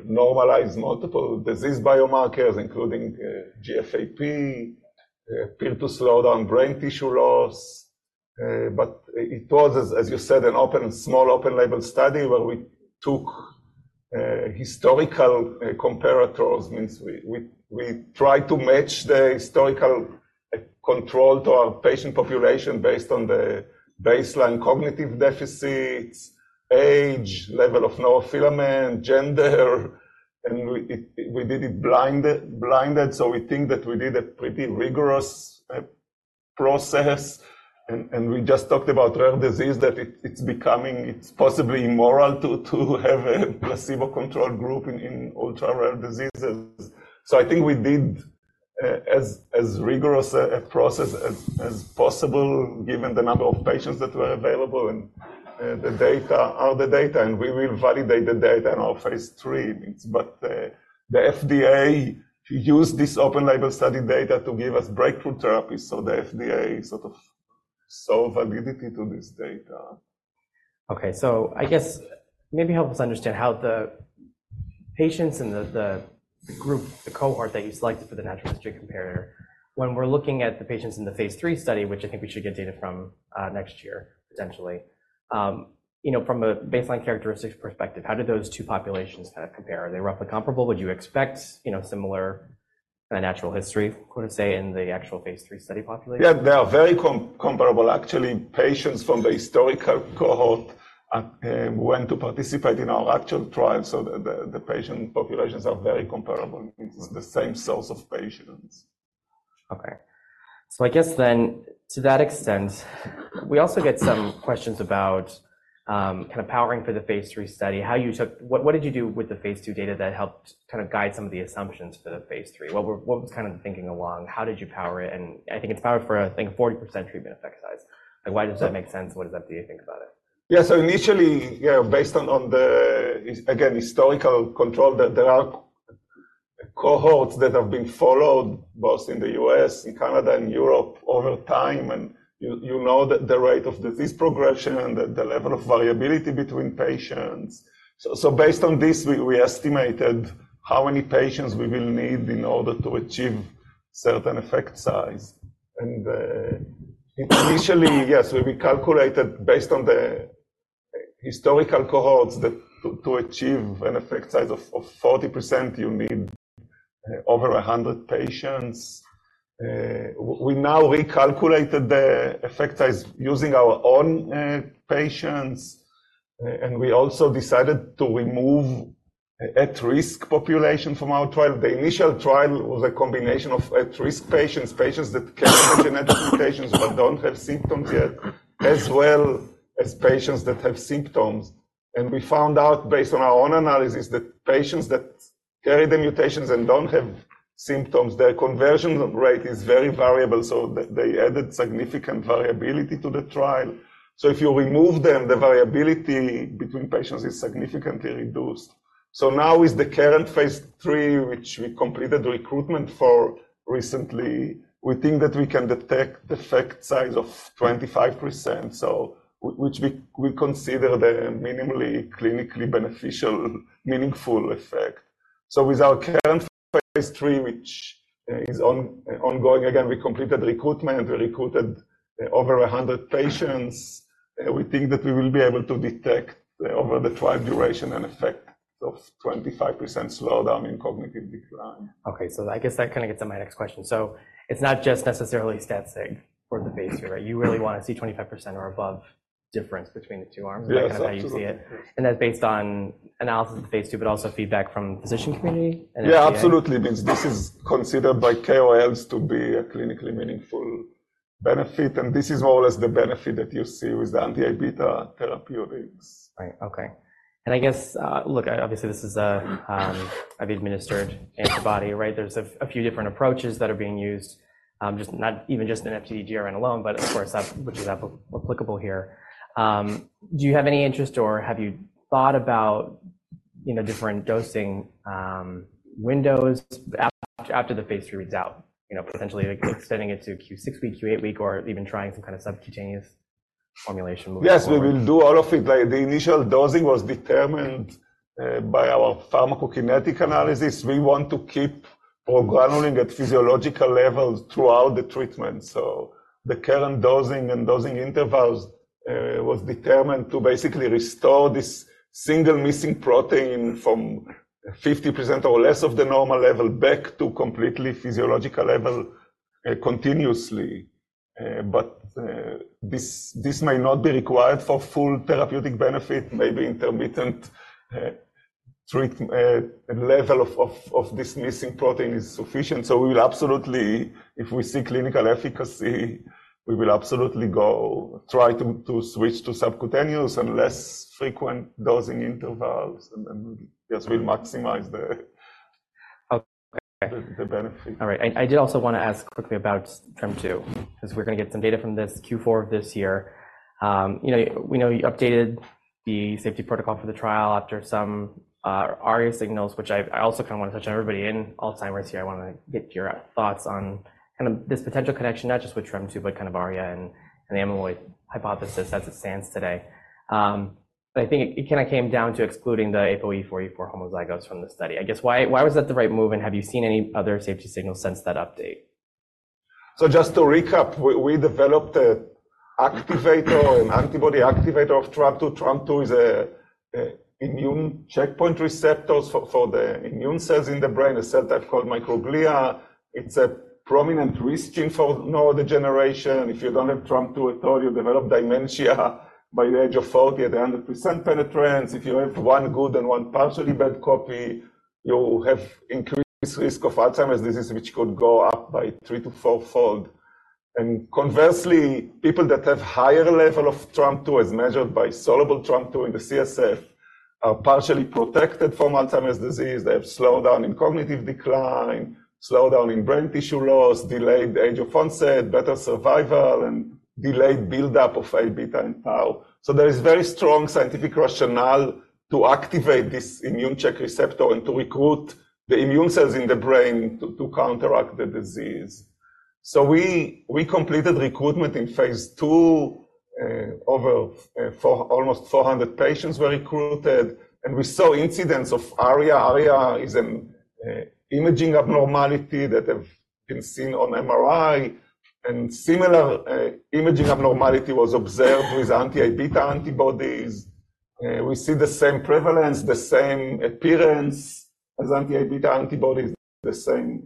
normalized multiple disease biomarkers, including GFAP, appeared to slow down brain tissue loss. But it was, as you said, an open, small open-label study where we took historical comparators. Means we tried to match the historical control to our patient population based on the baseline cognitive deficits, age, level of neurofilament, gender. And we did it blinded. So we think that we did a pretty rigorous process. And we just talked about rare disease that it's becoming possibly immoral to have a placebo-controlled group in ultra-rare diseases. So I think we did as rigorous a process as possible, given the number of patients that were available and the data, all the data. And we will validate the data in our phase III. But the FDA used this open-label study data to give us breakthrough therapies. So the FDA sort of sold validity to this data. Okay. So I guess maybe help us understand how the patients and the group, the cohort that you selected for the natural history comparator, when we're looking at the patients in the phase III study, which I think we should get data from next year, potentially, you know, from a baseline characteristics perspective, how did those two populations kind of compare? Are they roughly comparable? Would you expect, you know, similar kind of natural history, quote unquote, to say in the actual phase III study population? Yeah, they are very comparable, actually. Patients from the historical cohort went to participate in our actual trial. So the patient populations are very comparable. It's the same source of patients. Okay. So I guess then to that extent, we also get some questions about, kind of powering for the phase III study, how you took, what did you do with the phase II data that helped kind of guide some of the assumptions for the phase III? What was kind of the thinking along? How did you power it? And I think it's powered for, I think, a 40% treatment effect size. Like, why does that make sense? What does FDA think about it? Yeah. So initially, yeah, based on, on the, again, historical control, that there are cohorts that have been followed both in the U.S., in Canada, and Europe over time. And you, you know the rate of disease progression and the, the level of variability between patients. So, so based on this, we, we estimated how many patients we will need in order to achieve certain effect size. And, initially, yes, we calculated based on the historical cohorts that to, to achieve an effect size of, of 40%, you need, over 100 patients. We now recalculated the effect size using our own, patients. And we also decided to remove at-risk population from our trial. The initial trial was a combination of at-risk patients, patients that carry the genetic mutations but don't have symptoms yet, as well as patients that have symptoms. We found out based on our own analysis that patients that carry the mutations and don't have symptoms, their conversion rate is very variable. So they, they added significant variability to the trial. So if you remove them, the variability between patients is significantly reduced. So now with the current phase III, which we completed recruitment for recently, we think that we can detect effect size of 25%. So which we, we consider the minimally clinically beneficial, meaningful effect. So with our current phase III, which is ongoing, again, we completed recruitment. We recruited over 100 patients. We think that we will be able to detect over the trial duration an effect of 25% slowdown in cognitive decline. Okay. So I guess that kind of gets to my next question. So it's not just necessarily statistics for the phase II, right? You really want to see 25% or above difference between the two arms? Is that kind of how you see it? And that's based on analysis of phase II, but also feedback from the physician community? Yeah, absolutely. Means this is considered by KOLs to be a clinically meaningful benefit. And this is more or less the benefit that you see with the anti-amyloid beta therapeutics. Right. Okay. And I guess, look, obviously this is a, I've administered antibody, right? There's a few different approaches that are being used, just not even just in FTD-GRN alone, but of course, which is applicable here. Do you have any interest or have you thought about, you know, different dosing windows after the phase III reads out, you know, potentially extending it to Q6 week, Q8 week, or even trying some kind of subcutaneous formulation? Yes, we will do all of it. Like the initial dosing was determined by our pharmacokinetic analysis. We want to keep progranulin at physiological levels throughout the treatment. So the current dosing and dosing intervals was determined to basically restore this single missing protein from 50% or less of the normal level back to completely physiological level, continuously. But this may not be required for full therapeutic benefit. Maybe intermittent treatment level of this missing protein is sufficient. So we will absolutely, if we see clinical efficacy, we will absolutely go try to switch to subcutaneous and less frequent dosing intervals. And then yes, we'll maximize the benefit. All right. I, I did also want to ask quickly about TREM2 because we're going to get some data from this Q4 of this year. You know, we know you updated the safety protocol for the trial after some ARIA signals, which I, I also kind of want to touch on. Everybody in Alzheimer's here, I want to get your thoughts on kind of this potential connection, not just with TREM2, but kind of ARIA and the amyloid hypothesis as it stands today. But I think it kind of came down to excluding the APOE4/4 homozygotes from the study. I guess why, why was that the right move? And have you seen any other safety signals since that update? So just to recap, we developed an activator and antibody activator of TREM2. TREM2 is a immune checkpoint receptor for the immune cells in the brain, a cell type called microglia. It's a prominent risk gene for neurodegeneration. If you don't have TREM2 at all, you develop dementia by the age of 40 at 100% penetrance. If you have one good and one partially bad copy, you have increased risk of Alzheimer's disease, which could go up by three- to fourfold. Conversely, people that have higher level of TREM2, as measured by soluble TREM2 in the CSF, are partially protected from Alzheimer's disease. They have slowdown in cognitive decline, slowdown in brain tissue loss, delayed age of onset, better survival, and delayed buildup of A beta and tau. So there is very strong scientific rationale to activate this immune check receptor and to recruit the immune cells in the brain to counteract the disease. So we completed recruitment in phase II; almost 400 patients were recruited. And we saw incidents of ARIA. ARIA is an imaging abnormality that have been seen on MRI. And similar imaging abnormality was observed with anti-Aβ antibodies. We see the same prevalence, the same appearance as anti-Aβ antibodies, the same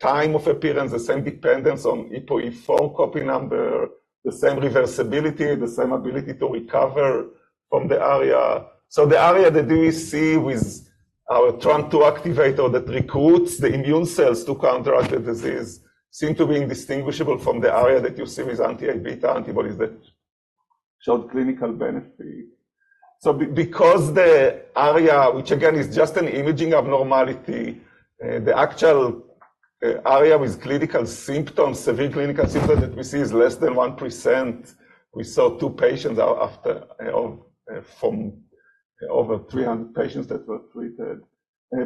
time of appearance, the same dependence on APOE4 copy number, the same reversibility, the same ability to recover from the ARIA. So the ARIA that we see with our TREM2 activator that recruits the immune cells to counteract the disease seem to be indistinguishable from the ARIA that you see with anti-Aβ antibodies that showed clinical benefit. So because the ARIA, which again is just an imaging abnormality, the actual ARIA with clinical symptoms, severe clinical symptoms that we see, is less than 1%. We saw 2 patients from over 300 patients that were treated.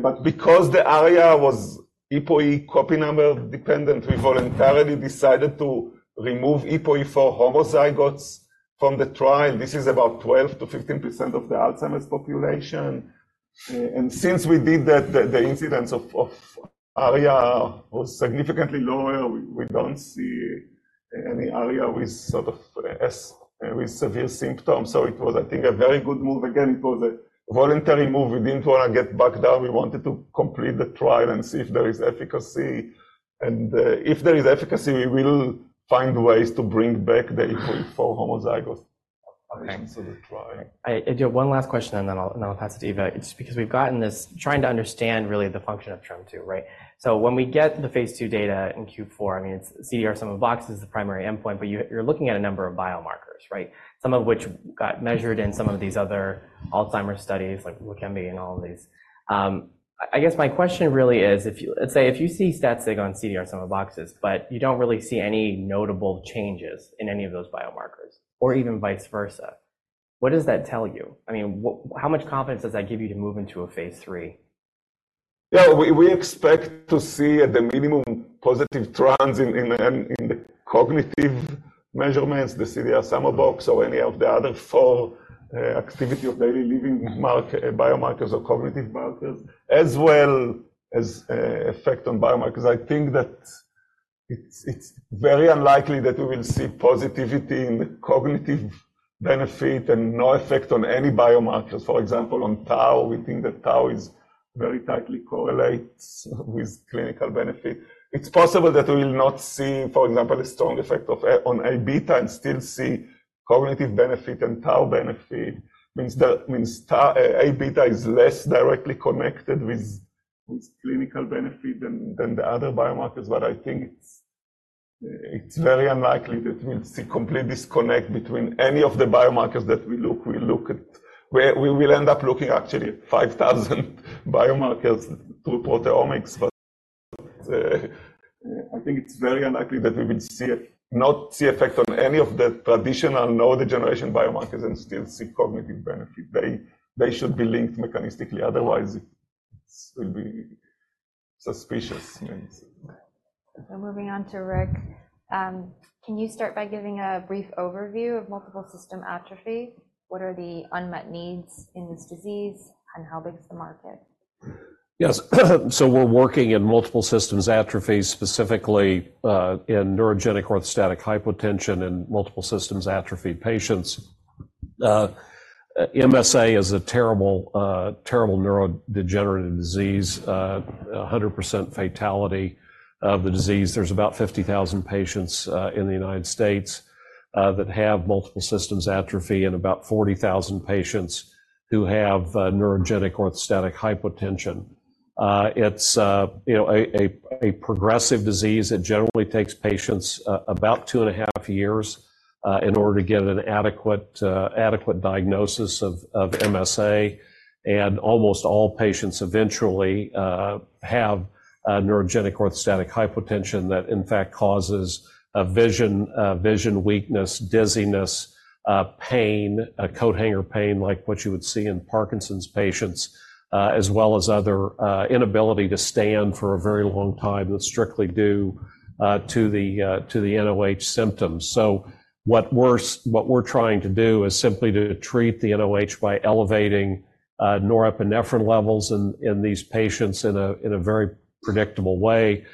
But because the ARIA was APOE copy number dependent, we voluntarily decided to remove APOE4 homozygotes from the trial. This is about 12%-15% of the Alzheimer's population. And since we did that, the incidence of ARIA was significantly lower. We don't see any ARIA with sort of, with severe symptoms. So it was, I think, a very good move. Again, it was a voluntary move. We didn't want to get back down. We wanted to complete the trial and see if there is efficacy. And, if there is efficacy, we will find ways to bring back the APOE4 homozygotes to the trial. I do have one last question, and then I'll pass it to Eva. It's just because we've gotten this trying to understand really the function of TREM2, right? So when we get the phase II data in Q4, I mean, it's CDR-SB is the primary endpoint, but you're looking at a number of biomarkers, right? Some of which got measured in some of these other Alzheimer's studies, like Leqembi and all of these. I guess my question really is, let's say, if you see statistics on CDR-SB, but you don't really see any notable changes in any of those biomarkers or even vice versa, what does that tell you? I mean, how much confidence does that give you to move into a phase III? Yeah, we expect to see at the minimum positive trends in the cognitive measurements, the CDR sum of boxes or any of the other four activities of daily living marks, biomarkers or cognitive markers, as well as effect on biomarkers. I think that it's very unlikely that we will see positivity in cognitive benefit and no effect on any biomarkers. For example, on tau, we think that tau is very tightly correlates with clinical benefit. It's possible that we will not see, for example, a strong effect on A beta and still see cognitive benefit and tau benefit. That means tau, A beta is less directly connected with clinical benefit than the other biomarkers. But I think it's very unlikely that we'll see complete disconnect between any of the biomarkers that we look at. We will end up looking actually at 5,000 biomarkers through proteomics. But, I think it's very unlikely that we will see a not see effect on any of the traditional neurodegeneration biomarkers and still see cognitive benefit. They should be linked mechanistically. Otherwise, it will be suspicious. Okay. Moving on to Rick. Can you start by giving a brief overview of multiple system atrophy? What are the unmet needs in this disease and how big's the market? Yes. So we're working in multiple system atrophy, specifically, in neurogenic orthostatic hypotension and multiple system atrophy patients. MSA is a terrible, terrible neurodegenerative disease, 100% fatality of the disease. There's about 50,000 patients, in the United States, that have multiple system atrophy and about 40,000 patients who have neurogenic orthostatic hypotension. It's, you know, a progressive disease. It generally takes patients about two and a half years in order to get an adequate diagnosis of MSA. And almost all patients eventually have neurogenic orthostatic hypotension that in fact causes a vision weakness, dizziness, pain, a coat hanger pain like what you would see in Parkinson's patients, as well as other inability to stand for a very long time that's strictly due to the nOH symptoms. So what we're trying to do is simply to treat the nOH by elevating norepinephrine levels in these patients in a very predictable way.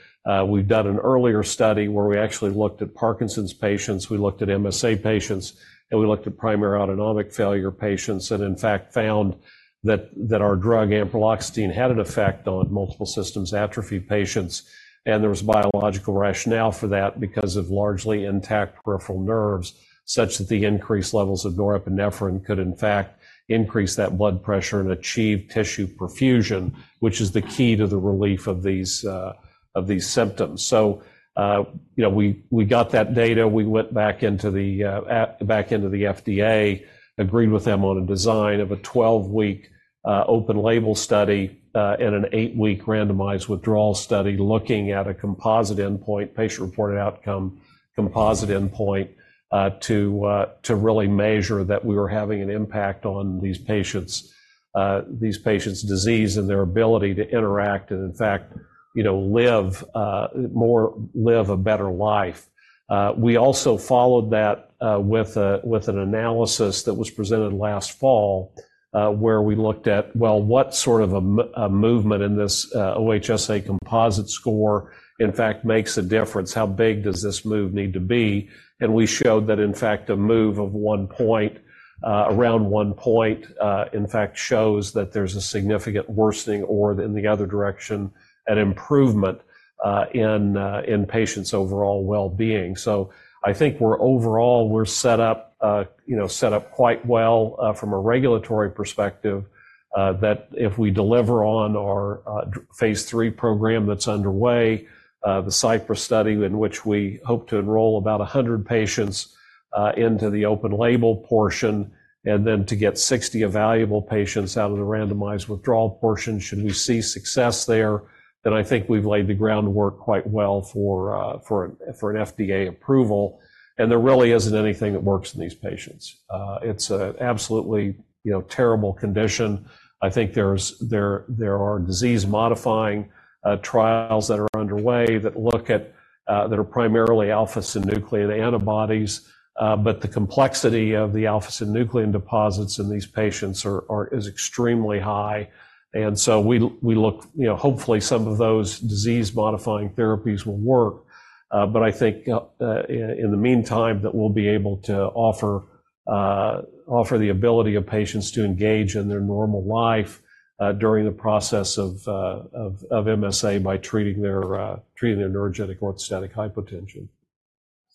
We've done an earlier study where we actually looked at Parkinson's patients. We looked at MSA patients, and we looked at primary autonomic failure patients and in fact found that our drug ampreloxetine had an effect on multiple system atrophy patients. And there was biological rationale for that because of largely intact peripheral nerves such that the increased levels of norepinephrine could in fact increase that blood pressure and achieve tissue perfusion, which is the key to the relief of these symptoms. So, you know, we got that data. We went back into the FDA, agreed with them on a design of a 12-week, open label study, and an 8-week randomized withdrawal study looking at a composite endpoint, patient-reported outcome, composite endpoint, to really measure that we were having an impact on these patients' disease and their ability to interact and in fact, you know, live more, live a better life. We also followed that with an analysis that was presented last fall, where we looked at, well, what sort of a movement in this OHSA composite score in fact makes a difference? How big does this move need to be? And we showed that in fact, a move of one point, around one point, in fact shows that there's a significant worsening or in the other direction, an improvement, in patients' overall well-being. So I think we're overall, we're set up, you know, set up quite well, from a regulatory perspective, that if we deliver on our phase III program that's underway, the CYPRESS study in which we hope to enroll about 100 patients into the open label portion and then to get 60 evaluable patients out of the randomized withdrawal portion, should we see success there, then I think we've laid the groundwork quite well for an FDA approval. And there really isn't anything that works in these patients. It's an absolutely, you know, terrible condition. I think there are disease-modifying trials that are underway that look at that are primarily alpha-synuclein antibodies. But the complexity of the alpha-synuclein deposits in these patients is extremely high. And so we look, you know, hopefully some of those disease-modifying therapies will work. I think, in the meantime, that we'll be able to offer the ability of patients to engage in their normal life, during the process of MSA by treating their neurogenic orthostatic hypotension.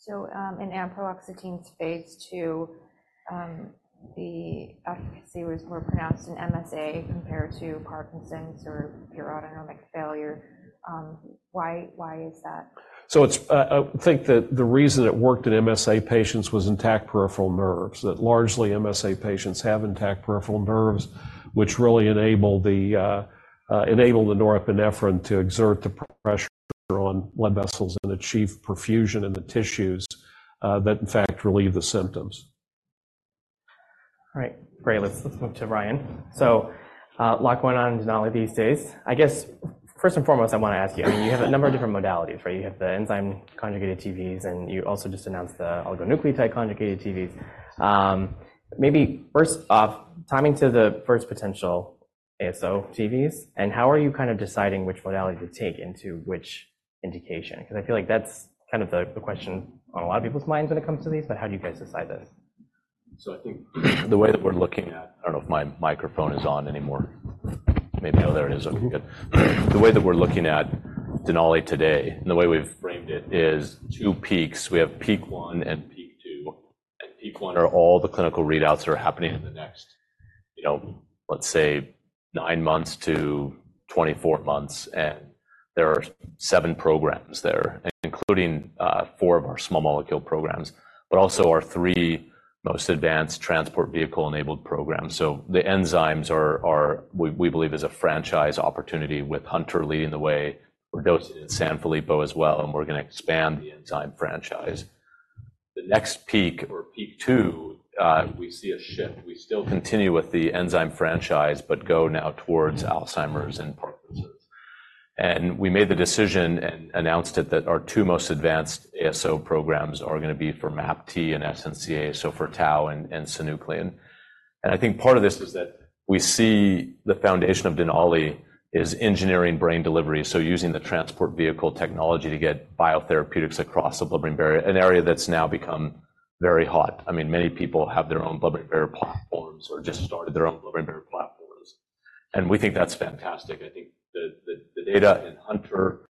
In ampreloxetine's phase II, the efficacy was more pronounced in MSA compared to Parkinson's or pure autonomic failure. Why, why is that? I think that the reason it worked in MSA patients was intact peripheral nerves, that largely MSA patients have intact peripheral nerves, which really enable the norepinephrine to exert the pressure on blood vessels and achieve perfusion in the tissues, that in fact relieve the symptoms. All right. Great. Let's move to Ryan. So, look, what's going on at Denali these days. I guess first and foremost, I want to ask you, I mean, you have a number of different modalities, right? You have the enzyme-conjugated TVs, and you also just announced the oligonucleotide-conjugated TVs. Maybe first off, timing to the first potential ASO TVs, and how are you kind of deciding which modality to take into which indication? Because I feel like that's kind of the question on a lot of people's minds when it comes to these, but how do you guys decide this? So I think the way that we're looking at Denali today and the way we've framed it is two peaks. We have peak one and peak two. And peak one are all the clinical readouts that are happening in the next, you know, let's say, 9 months-24 months. And there are 7 programs there, including 4 of our small molecule programs, but also our 3 most advanced transport vehicle-enabled programs. So the enzymes are we believe a franchise opportunity with Hunter leading the way. We're dosing in Sanfilippo as well, and we're going to expand the enzyme franchise. The next peak or peak two, we see a shift. We still continue with the enzyme franchise, but go now towards Alzheimer's and Parkinson's. We made the decision and announced it that our two most advanced ASO programs are going to be for MAPT and SNCA, so for tau and synuclein. I think part of this is that we see the foundation of Denali is engineering brain delivery. So using the transport vehicle technology to get biotherapeutics across the blood-brain barrier, an area that's now become very hot. I mean, many people have their own blood-brain barrier platforms or just started their own blood-brain barrier platforms. And we think that's fantastic. I think the data in Hunter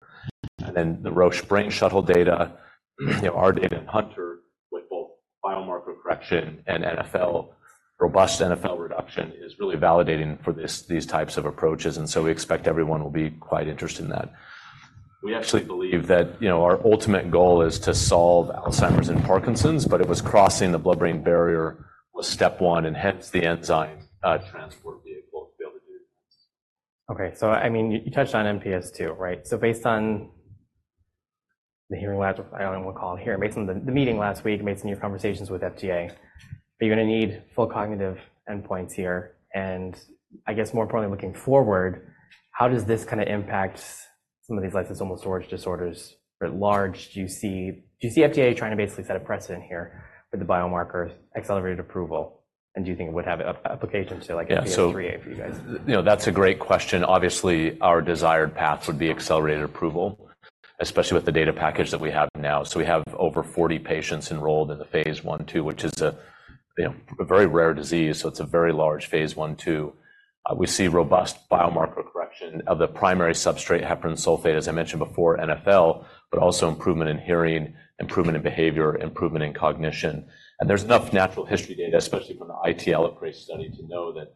and then the Roche Brain Shuttle data, you know, our data in Hunter with both biomarker correction and NfL, robust NfL reduction is really validating for these types of approaches. So we expect everyone will be quite interested in that. We actually believe that, you know, our ultimate goal is to solve Alzheimer's and Parkinson's, but it was crossing the blood-brain barrier was step one and hence the enzyme transport vehicle to be able to do that. Okay. So, I mean, you touched on MPS II, right? So based on the hearing labs, I don't know what we'll call it here, based on the meeting last week, based on your conversations with FDA, are you going to need full cognitive endpoints here? And I guess more importantly, looking forward, how does this kind of impact some of these lysosomal storage disorders at large? Do you see, do you see FDA trying to basically set a precedent here with the biomarkers accelerated approval? And do you think it would have application to, like, MPS IIIA for you guys? Yeah. So, you know, that's a great question. Obviously, our desired path would be accelerated approval, especially with the data package that we have now. So we have over 40 patients enrolled in the phase I, II, which is, you know, a very rare disease. So it's a very large phase I, II. We see robust biomarker correction of the primary substrate, heparan sulfate, as I mentioned before, NfL, but also improvement in hearing, improvement in behavior, improvement in cognition. And there's enough natural history data, especially from the IT Elaprase study, to know that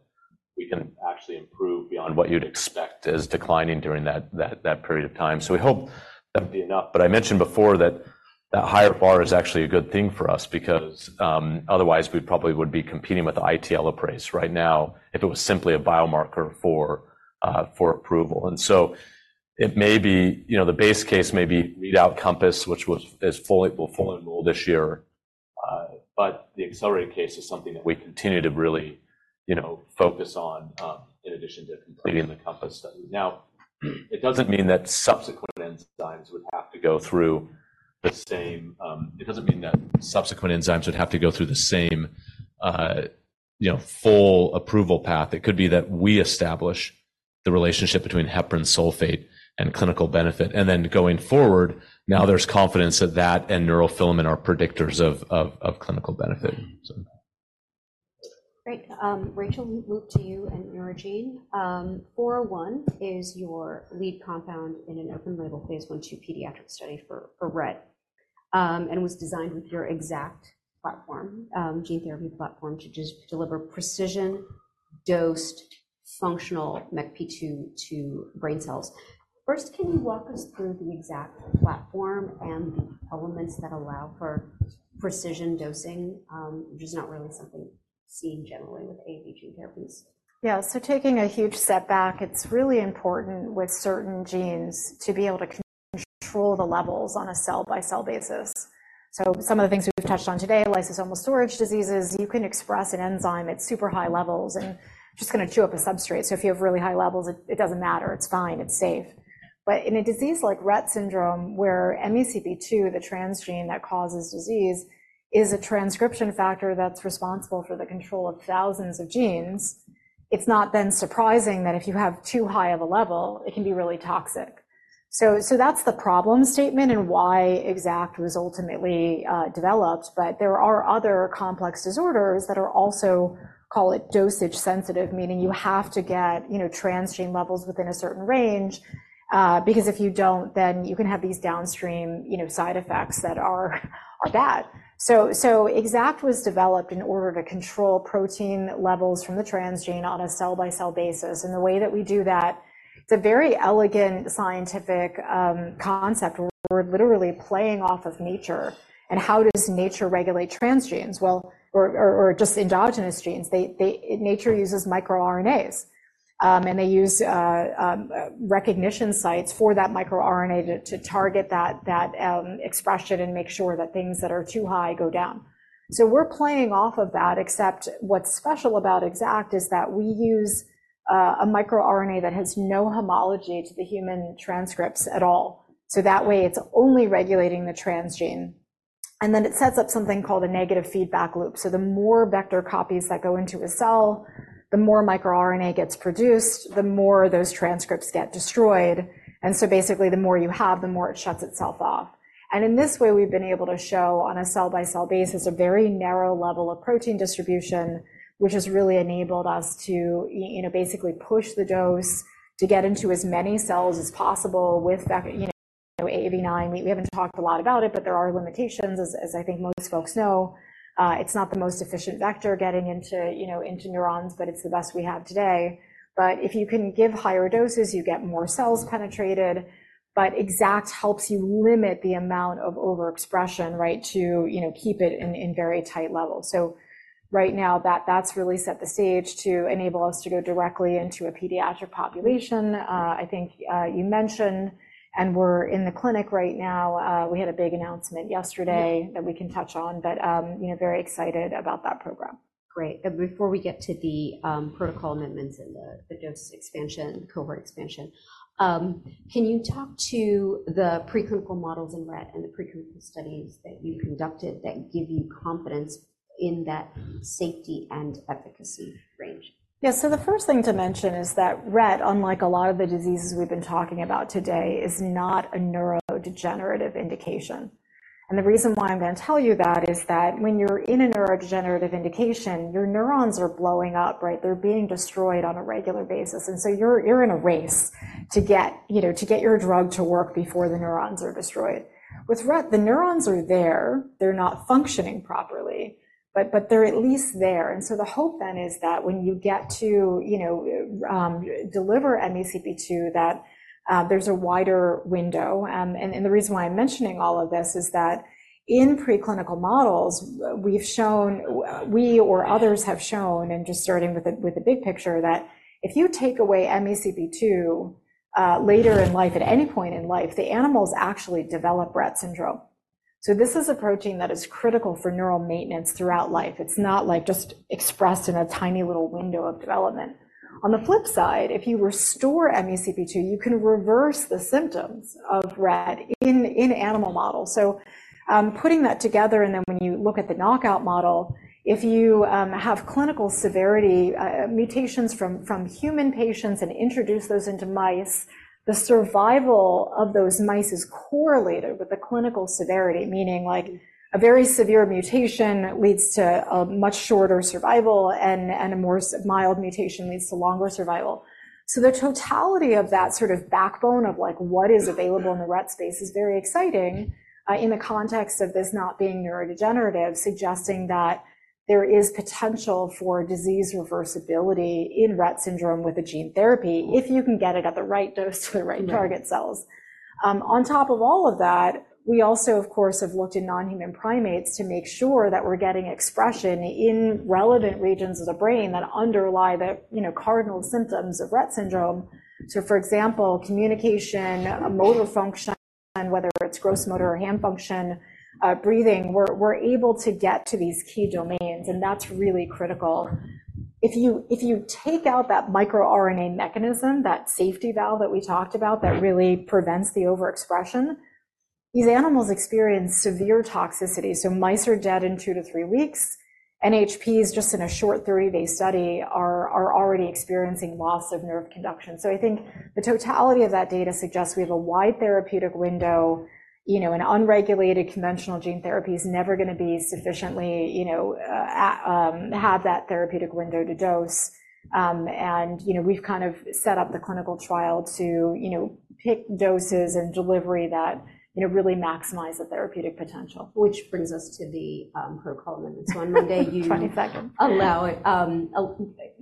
we can actually improve beyond what you'd expect as declining during that period of time. So we hope that would be enough. But I mentioned before that that higher bar is actually a good thing for us because, otherwise, we probably would be competing with the IT Elaprase right now if it was simply a biomarker for, for approval. And so it may be, you know, the base case may be readout compass, which was, is fully, will fully enroll this year. But the accelerated case is something that we continue to really, you know, focus on, in addition to completing the COMPASS study. Now, it doesn't mean that subsequent enzymes would have to go through the same, it doesn't mean that subsequent enzymes would have to go through the same, you know, full approval path. It could be that we establish the relationship between heparan sulfate and clinical benefit. And then going forward, now there's confidence that that and neurofilament are predictors of, of, of clinical benefit. Great. Rachel, we'll move to you and Neurogene. 401 is your lead compound in an open-label phase I, II pediatric study for Rett, and was designed with your EXACT platform, gene therapy platform to just deliver precision dosed functional MECP2 to brain cells. First, can you walk us through the EXACT platform and the elements that allow for precision dosing, which is not really something seen generally with AAV gene therapies? Yeah. So taking a huge step back, it's really important with certain genes to be able to control the levels on a cell-by-cell basis. So some of the things we've touched on today, lysosomal storage diseases, you can express an enzyme at super high levels and just going to chew up a substrate. So if you have really high levels, it doesn't matter. It's fine. It's safe. But in a disease like Rett syndrome, where MECP2, the transgene that causes disease, is a transcription factor that's responsible for the control of thousands of genes, it's not then surprising that if you have too high of a level, it can be really toxic. So, so that's the problem statement and why EXACT was ultimately developed. But there are other complex disorders that are also, call it, dosage sensitive, meaning you have to get, you know, transgene levels within a certain range, because if you don't, then you can have these downstream, you know, side effects that are bad. So EXACT was developed in order to control protein levels from the transgene on a cell-by-cell basis. And the way that we do that, it's a very elegant scientific concept. We're literally playing off of nature. And how does nature regulate transgenes? Well, or just endogenous genes, they nature uses microRNAs, and they use recognition sites for that microRNA to target that expression and make sure that things that are too high go down. So we're playing off of that, except what's special about EXACT is that we use a microRNA that has no homology to the human transcripts at all. So that way, it's only regulating the transgene. And then it sets up something called a negative feedback loop. So the more vector copies that go into a cell, the more microRNA gets produced, the more those transcripts get destroyed. And so basically, the more you have, the more it shuts itself off. And in this way, we've been able to show on a cell-by-cell basis a very narrow level of protein distribution, which has really enabled us to, you know, basically push the dose to get into as many cells as possible with vector, you know, AAV9. We haven't talked a lot about it, but there are limitations, as I think most folks know. It's not the most efficient vector getting into, you know, into neurons, but it's the best we have today. But if you can give higher doses, you get more cells penetrated. But EXACT helps you limit the amount of overexpression, right, to, you know, keep it in very tight levels. So right now, that's really set the stage to enable us to go directly into a pediatric population. I think you mentioned, and we're in the clinic right now. We had a big announcement yesterday that we can touch on, but, you know, very excited about that program. Great. And before we get to the protocol amendments and the dose expansion, cohort expansion, can you talk to the preclinical models in Rett and the preclinical studies that you conducted that give you confidence in that safety and efficacy range? Yeah. So the first thing to mention is that RET, unlike a lot of the diseases we've been talking about today, is not a neurodegenerative indication. And the reason why I'm going to tell you that is that when you're in a neurodegenerative indication, your neurons are blowing up, right? They're being destroyed on a regular basis. And so you're in a race to get, you know, to get your drug to work before the neurons are destroyed. With RET, the neurons are there. They're not functioning properly, but they're at least there. And so the hope then is that when you get to, you know, deliver MECP2, that there's a wider window. The reason why I'm mentioning all of this is that in preclinical models, we've shown, we or others have shown, and just starting with the big picture, that if you take away MECP2 later in life, at any point in life, the animals actually develop Rett syndrome. So this is a protein that is critical for neural maintenance throughout life. It's not like just expressed in a tiny little window of development. On the flip side, if you restore MECP2, you can reverse the symptoms of Rett in animal models. So, putting that together, and then when you look at the knockout model, if you have clinical severity mutations from human patients and introduce those into mice, the survival of those mice is correlated with the clinical severity, meaning, like, a very severe mutation leads to a much shorter survival, and a more mild mutation leads to longer survival. So the totality of that sort of backbone of, like, what is available in the Rett space is very exciting, in the context of this not being neurodegenerative, suggesting that there is potential for disease reversibility in Rett syndrome with a gene therapy if you can get it at the right dose to the right target cells. On top of all of that, we also, of course, have looked in non-human primates to make sure that we're getting expression in relevant regions of the brain that underlie the, you know, cardinal symptoms of Rett syndrome. So, for example, communication, motor function, whether it's gross motor or hand function, breathing, we're, we're able to get to these key domains, and that's really critical. If you, if you take out that microRNA mechanism, that safety valve that we talked about that really prevents the overexpression, these animals experience severe toxicity. So mice are dead in 2-3 weeks. NHPs, just in a short 3-day study, are, are already experiencing loss of nerve conduction. So I think the totality of that data suggests we have a wide therapeutic window. You know, an unregulated conventional gene therapy is never going to be sufficiently, you know, have that therapeutic window to dose. And, you know, we've kind of set up the clinical trial to, you know, pick doses and delivery that, you know, really maximize the therapeutic potential. Which brings us to the protocol amendments. So on Monday,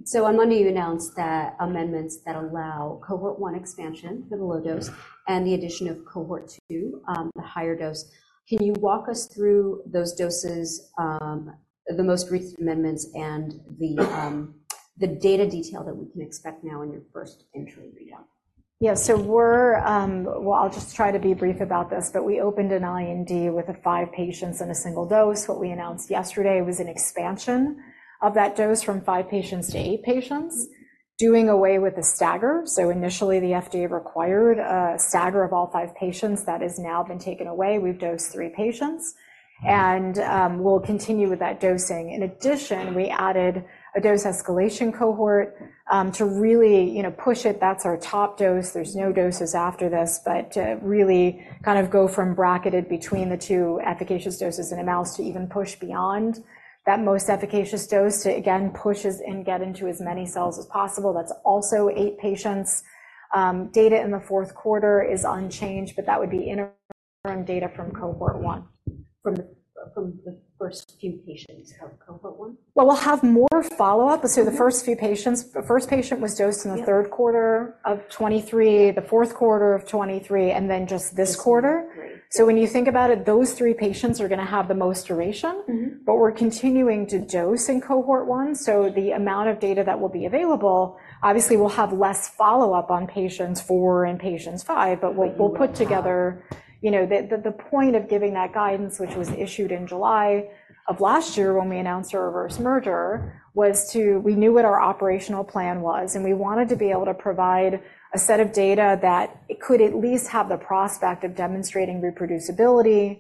so on Monday, you announced that amendments that allow cohort one expansion for the low dose and the addition of cohort two, the higher dose. Can you walk us through those doses, the most recent amendments and the data detail that we can expect now in your first entry readout? Yeah. So we're, well, I'll just try to be brief about this, but we opened an IND with five patients and a single dose. What we announced yesterday was an expansion of that dose from five patients to eight patients, doing away with the stagger. So initially, the FDA required a stagger of all five patients. That has now been taken away. We've dosed three patients, and we'll continue with that dosing. In addition, we added a dose escalation cohort to really, you know, push it. That's our top dose. There's no doses after this, but to really kind of go from bracketed between the two efficacious doses in a mouse to even push beyond that most efficacious dose to, again, pushes and get into as many cells as possible. That's also eight patients. Data in the fourth quarter is unchanged, but that would be interim data from cohort one, the first few patients of cohort one. Well, we'll have more follow-up. So the first few patients, the first patient was dosed in the third quarter of 2023, the fourth quarter of 2023, and then just this quarter. So when you think about it, those three patients are going to have the most duration, but we're continuing to dose in cohort one. So the amount of data that will be available, obviously, we'll have less follow-up on patients 4 and patients 5, but we'll put together, you know, the point of giving that guidance, which was issued in July of last year when we announced our reverse merger, was to, we knew what our operational plan was, and we wanted to be able to provide a set of data that could at least have the prospect of demonstrating reproducibility,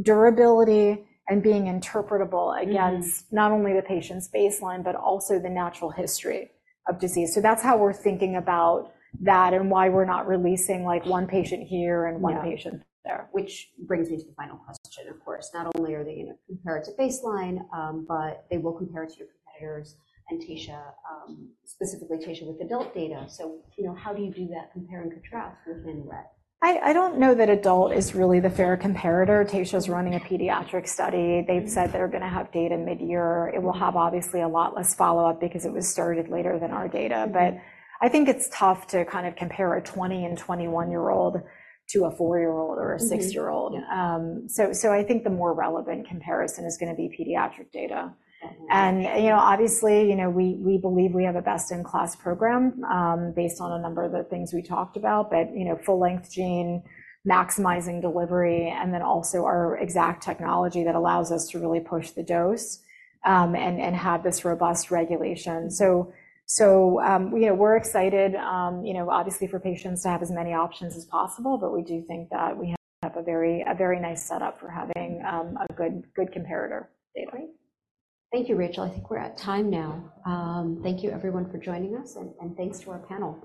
durability, and being interpretable against not only the patient's baseline, but also the natural history of disease. So that's how we're thinking about that and why we're not releasing, like, one patient here and one patient there. Which brings me to the final question, of course. Not only are they, you know, compared to baseline, but they will compare it to your competitors, Taysha, specifically Taysha with adult data. So, you know, how do you do that compare and contrast within Rett? I don't know that adult is really the fair comparator. Taysha's running a pediatric study. They've said they're going to have data mid-year. It will have, obviously, a lot less follow-up because it was started later than our data. But I think it's tough to kind of compare a 20- and 21-year-old to a 4-year-old or a 6-year-old. So I think the more relevant comparison is going to be pediatric data. And, you know, obviously, you know, we believe we have a best-in-class program, based on a number of the things we talked about, but, you know, full-length gene, maximizing delivery, and then also our EXACT technology that allows us to really push the dose, and have this robust regulation. So, you know, we're excited, you know, obviously, for patients to have as many options as possible, but we do think that we have a very nice setup for having good comparator data. Great. Thank you, Rachel. I think we're at time now. Thank you, everyone, for joining us, and thanks to our panel.